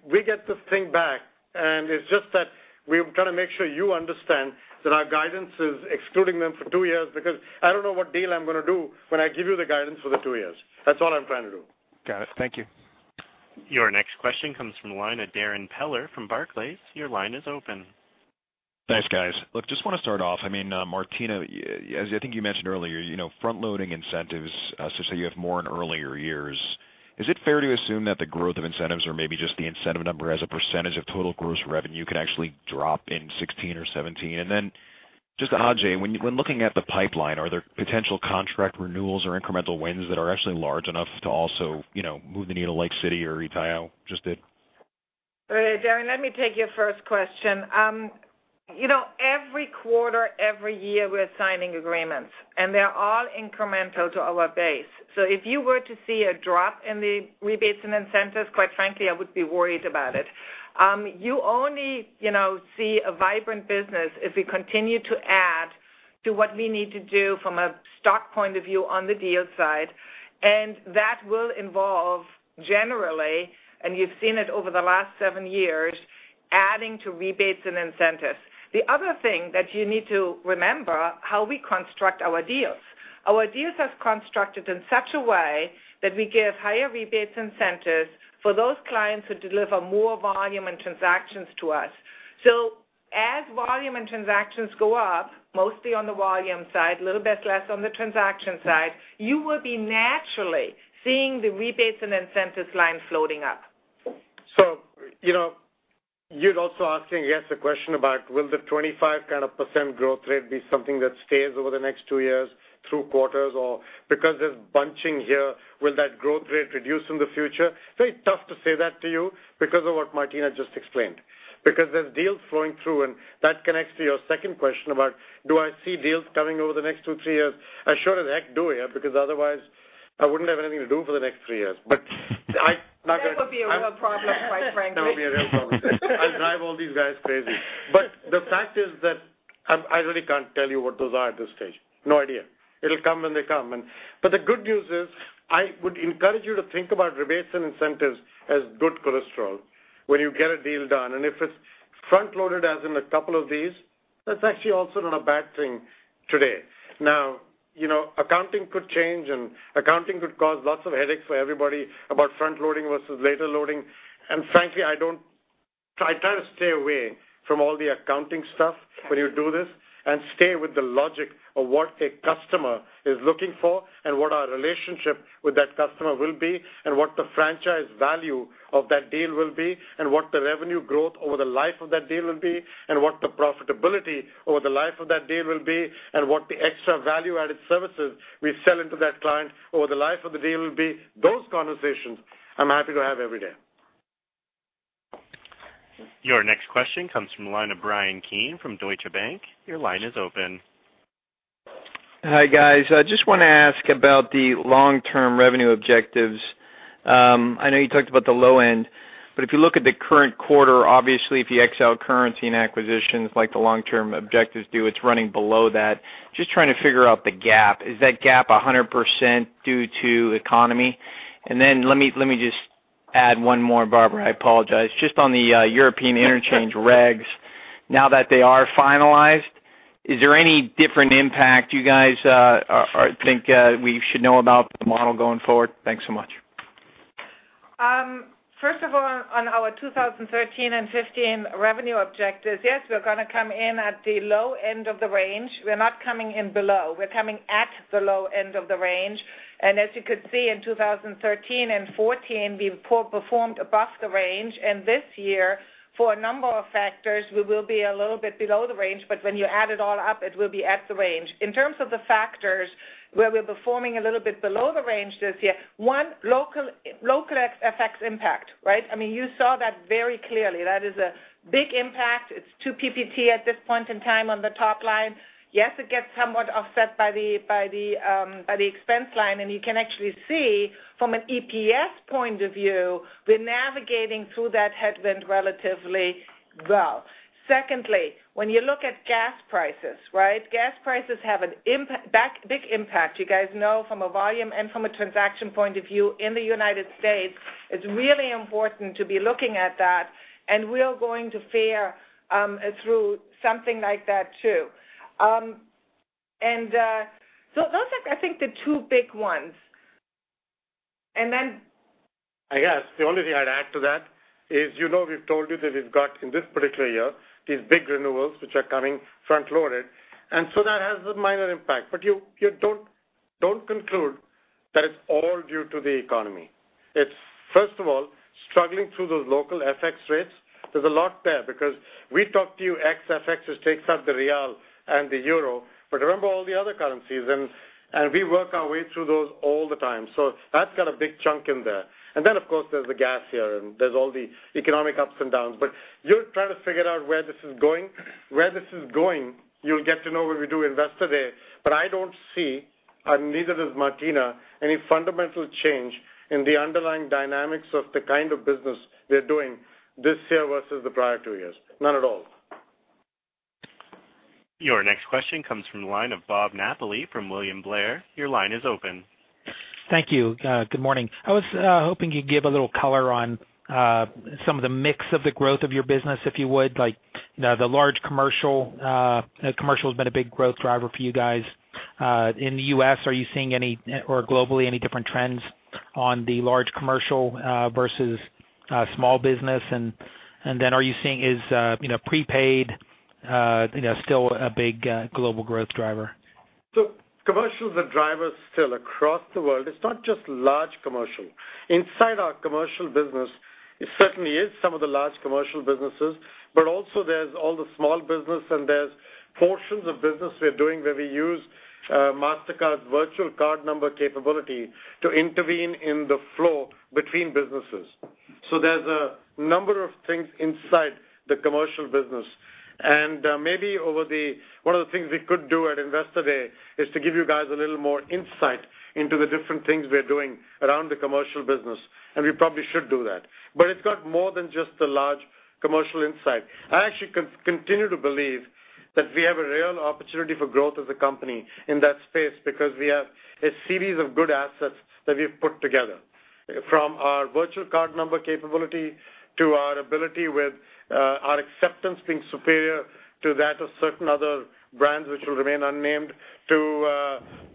We get this thing back, and it's just that we kind of make sure you understand that our guidance is excluding them for two years because I don't know what deal I'm going to do when I give you the guidance for the two years. That's all I'm trying to do. Got it. Thank you. Your next question comes from the line of Darrin Peller from Barclays. Your line is open. Thanks, guys. Look, just want to start off. I mean, Martina, as I think you mentioned earlier, front-loading incentives so that you have more in earlier years. Is it fair to assume that the growth of incentives or maybe just the incentive number as a percentage of total gross revenue could actually drop in 2016 or 2017? Just Ajay, when looking at the pipeline, are there potential contract renewals or incremental wins that are actually large enough to also move the needle like Citi or Itaú just did? Darrin, let me take your first question. Every quarter, every year, we're signing agreements, and they're all incremental to our base. If you were to see a drop in the rebates and incentives, quite frankly, I would be worried about it. You only see a vibrant business if we continue to add to what we need to do from a stock point of view on the deal side, and that will involve generally, and you've seen it over the last seven years, adding to rebates and incentives. The other thing that you need to remember, how we construct our deals. Our deals are constructed in such a way that we give higher rebates incentives for those clients who deliver more volume and transactions to us. As volume and transactions go up, mostly on the volume side, a little bit less on the transaction side, you will be naturally seeing the rebates and incentives line floating up. You're also asking, yes, a question about will the 25% growth rate be something that stays over the next two years through quarters or because there's bunching here, will that growth rate reduce in the future? Very tough to say that to you because of what Martina just explained. There's deals flowing through, and that connects to your second question about do I see deals coming over the next two, three years? I sure as heck do, yeah, because otherwise I wouldn't have anything to do for the next three years. That would be a real problem, quite frankly. That would be a real problem. I'd drive all these guys crazy. The fact is that I really can't tell you what those are at this stage. No idea. It'll come when they come. The good news is, I would encourage you to think about rebates and incentives as good cholesterol when you get a deal done. If it's front-loaded, as in a couple of these, that's actually also not a bad thing today. Accounting could change, accounting could cause lots of headaches for everybody about front-loading versus later loading. Frankly, I try to stay away from all the accounting stuff when you do this stay with the logic of what a customer is looking for what our relationship with that customer will be, what the franchise value of that deal will be, what the revenue growth over the life of that deal will be, what the profitability over the life of that deal will be, what the extra value-added services we sell into that client over the life of the deal will be. Those conversations I'm happy to have every day. Your next question comes from the line of Bryan Keane from Deutsche Bank. Your line is open. Hi, guys. I just want to ask about the long-term revenue objectives. I know you talked about the low end. If you exclude currency and acquisitions like the long-term objectives do, it's running below that. Just trying to figure out the gap. Is that gap 100% due to economy? Let me just add one more, Barbara Gasper, I apologize. Just on the European interchange regs, now that they are finalized, is there any different impact you guys think we should know about the model going forward? Thanks so much. First of all, on our 2013 and 2015 revenue objectives, yes, we're going to come in at the low end of the range. We're not coming in below. We're coming at the low end of the range. As you could see in 2013 and 2014, we performed above the range. This year, for a number of factors, we will be a little bit below the range. When you add it all up, it will be at the range. In terms of the factors where we're performing a little bit below the range this year, one, local FX impact, right? You saw that very clearly. That is a big impact. It's 2 PPT at this point in time on the top line. Yes, it gets somewhat offset by the expense line. You can actually see from an EPS point of view, we're navigating through that headwind relatively well. Secondly, when you look at gas prices, right, gas prices have a big impact. You guys know from a volume and from a transaction point of view in the U.S., it's really important to be looking at that. We are going to fare through something like that too. Those are, I think, the two big ones. I guess the only thing I'd add to that is, you know we've told you that we've got, in this particular year, these big renewals which are coming front-loaded. That has a minor impact. Don't conclude that it's all due to the economy. It's first of all, struggling through those local FX rates. There's a lot there because we talk to you ex-FX, which takes out the BRL and the EUR. Remember all the other currencies. We work our way through those all the time. That's got a big chunk in there. Of course there's the gas here. There's all the economic ups and downs. You're trying to figure out where this is going. Where this is going, you'll get to know when we do Investor Day, I don't see, and neither does Martina, any fundamental change in the underlying dynamics of the kind of business we're doing this year versus the prior two years. None at all. Your next question comes from the line of Bob Napoli from William Blair. Your line is open. Thank you. Good morning. I was hoping you'd give a little color on some of the mix of the growth of your business, if you would. Like now the large commercial has been a big growth driver for you guys. In the U.S., are you seeing any, or globally, any different trends on the large commercial versus small business? Are you seeing is prepaid still a big global growth driver? Commercial is a driver still across the world. It's not just large commercial. Inside our commercial business, it certainly is some of the large commercial businesses, but also there's all the small business and there's portions of business we're doing where we use Mastercard's virtual card number capability to intervene in the flow between businesses. There's a number of things inside the commercial business. Maybe one of the things we could do at Investor Day is to give you guys a little more insight into the different things we're doing around the commercial business, we probably should do that. It's got more than just the large commercial insight. I actually continue to believe that we have a real opportunity for growth as a company in that space because we have a series of good assets that we've put together. From our virtual card number capability to our ability with our acceptance being superior to that of certain other brands which will remain unnamed to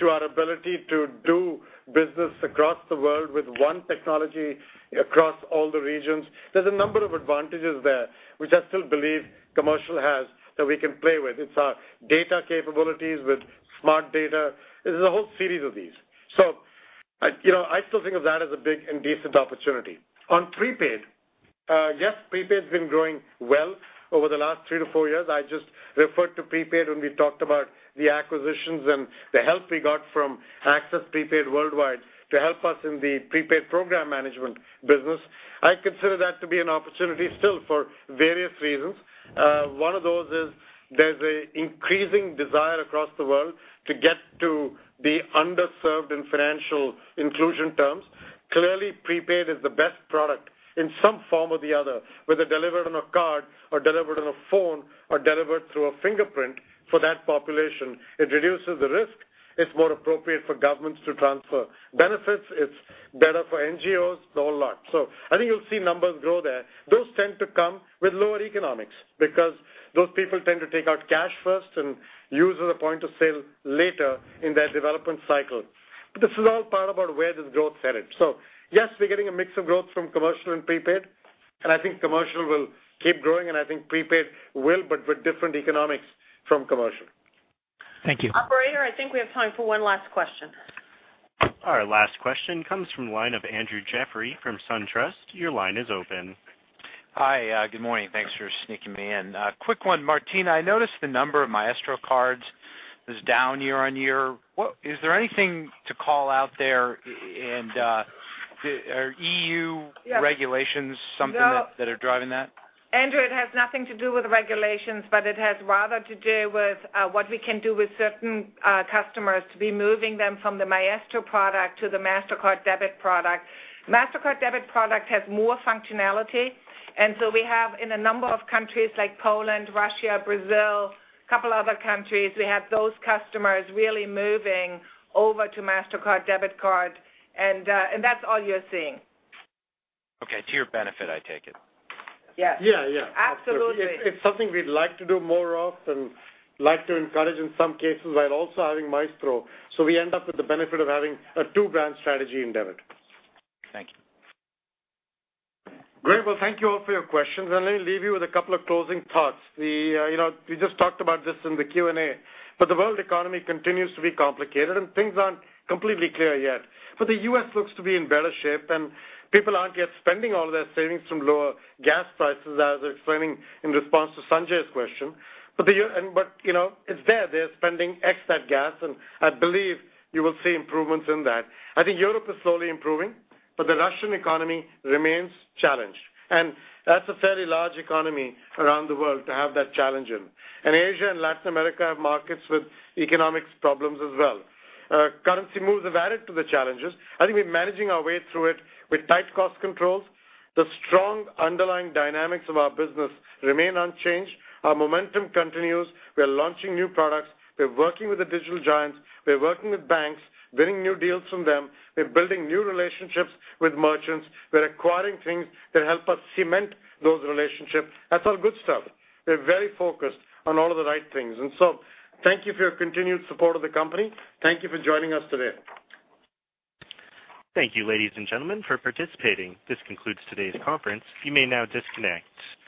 our ability to do business across the world with one technology across all the regions. There's a number of advantages there, which I still believe commercial has that we can play with. It's our data capabilities with Smart Data. There's a whole series of these. I still think of that as a big and decent opportunity. On prepaid, yes, prepaid's been growing well over the last three to four years. I just referred to prepaid when we talked about the acquisitions and the help we got from Access Prepaid Worldwide to help us in the prepaid program management business. I consider that to be an opportunity still for various reasons. One of those is there's an increasing desire across the world to get to the underserved in financial inclusion terms. Clearly, prepaid is the best product in some form or the other, whether delivered on a card or delivered on a phone or delivered through a fingerprint for that population. It reduces the risk. It's more appropriate for governments to transfer benefits. It's better for NGOs, the whole lot. I think you'll see numbers grow there. Those tend to come with lower economics because those people tend to take out cash first and use the point of sale later in their development cycle. This is all part about where this growth is headed. Yes, we're getting a mix of growth from commercial and prepaid, and I think commercial will keep growing, and I think prepaid will, but with different economics from commercial. Thank you. Operator, I think we have time for one last question. Our last question comes from the line of Andrew Jeffrey from SunTrust. Your line is open. Hi, good morning. Thanks for sneaking me in. Quick one. Martina, I noticed the number of Maestro cards is down year-on-year. Is there anything to call out there in the EU- Yes regulations, something that- No that are driving that? Andrew, it has nothing to do with the regulations, it has rather to do with what we can do with certain customers to be moving them from the Maestro product to the Debit Mastercard product. Debit Mastercard product has more functionality, we have in a number of countries like Poland, Russia, Brazil, couple other countries, we have those customers really moving over to Debit Mastercard card, and that's all you're seeing. Okay. To your benefit, I take it? Yes. Yeah. Absolutely. It's something we'd like to do more of and like to encourage in some cases while also having Maestro, we end up with the benefit of having a two-brand strategy in debit. Thank you. Great. Well, thank you all for your questions. Let me leave you with a couple of closing thoughts. We just talked about this in the Q&A. The world economy continues to be complicated, and things aren't completely clear yet. The U.S. looks to be in better shape, and people aren't yet spending all of their savings from lower gas prices, as I was explaining in response to Sanjay's question. It's there. They're spending ex that gas, and I believe you will see improvements in that. I think Europe is slowly improving. The Russian economy remains challenged, and that's a fairly large economy around the world to have that challenge in. Asia and Latin America have markets with economics problems as well. Currency moves have added to the challenges. I think we're managing our way through it with tight cost controls. The strong underlying dynamics of our business remain unchanged. Our momentum continues. We're launching new products. We're working with the digital giants. We're working with banks, winning new deals from them. We're building new relationships with merchants. We're acquiring things that help us cement those relationships. That's all good stuff. We're very focused on all of the right things. Thank you for your continued support of the company. Thank you for joining us today. Thank you, ladies and gentlemen, for participating. This concludes today's conference. You may now disconnect.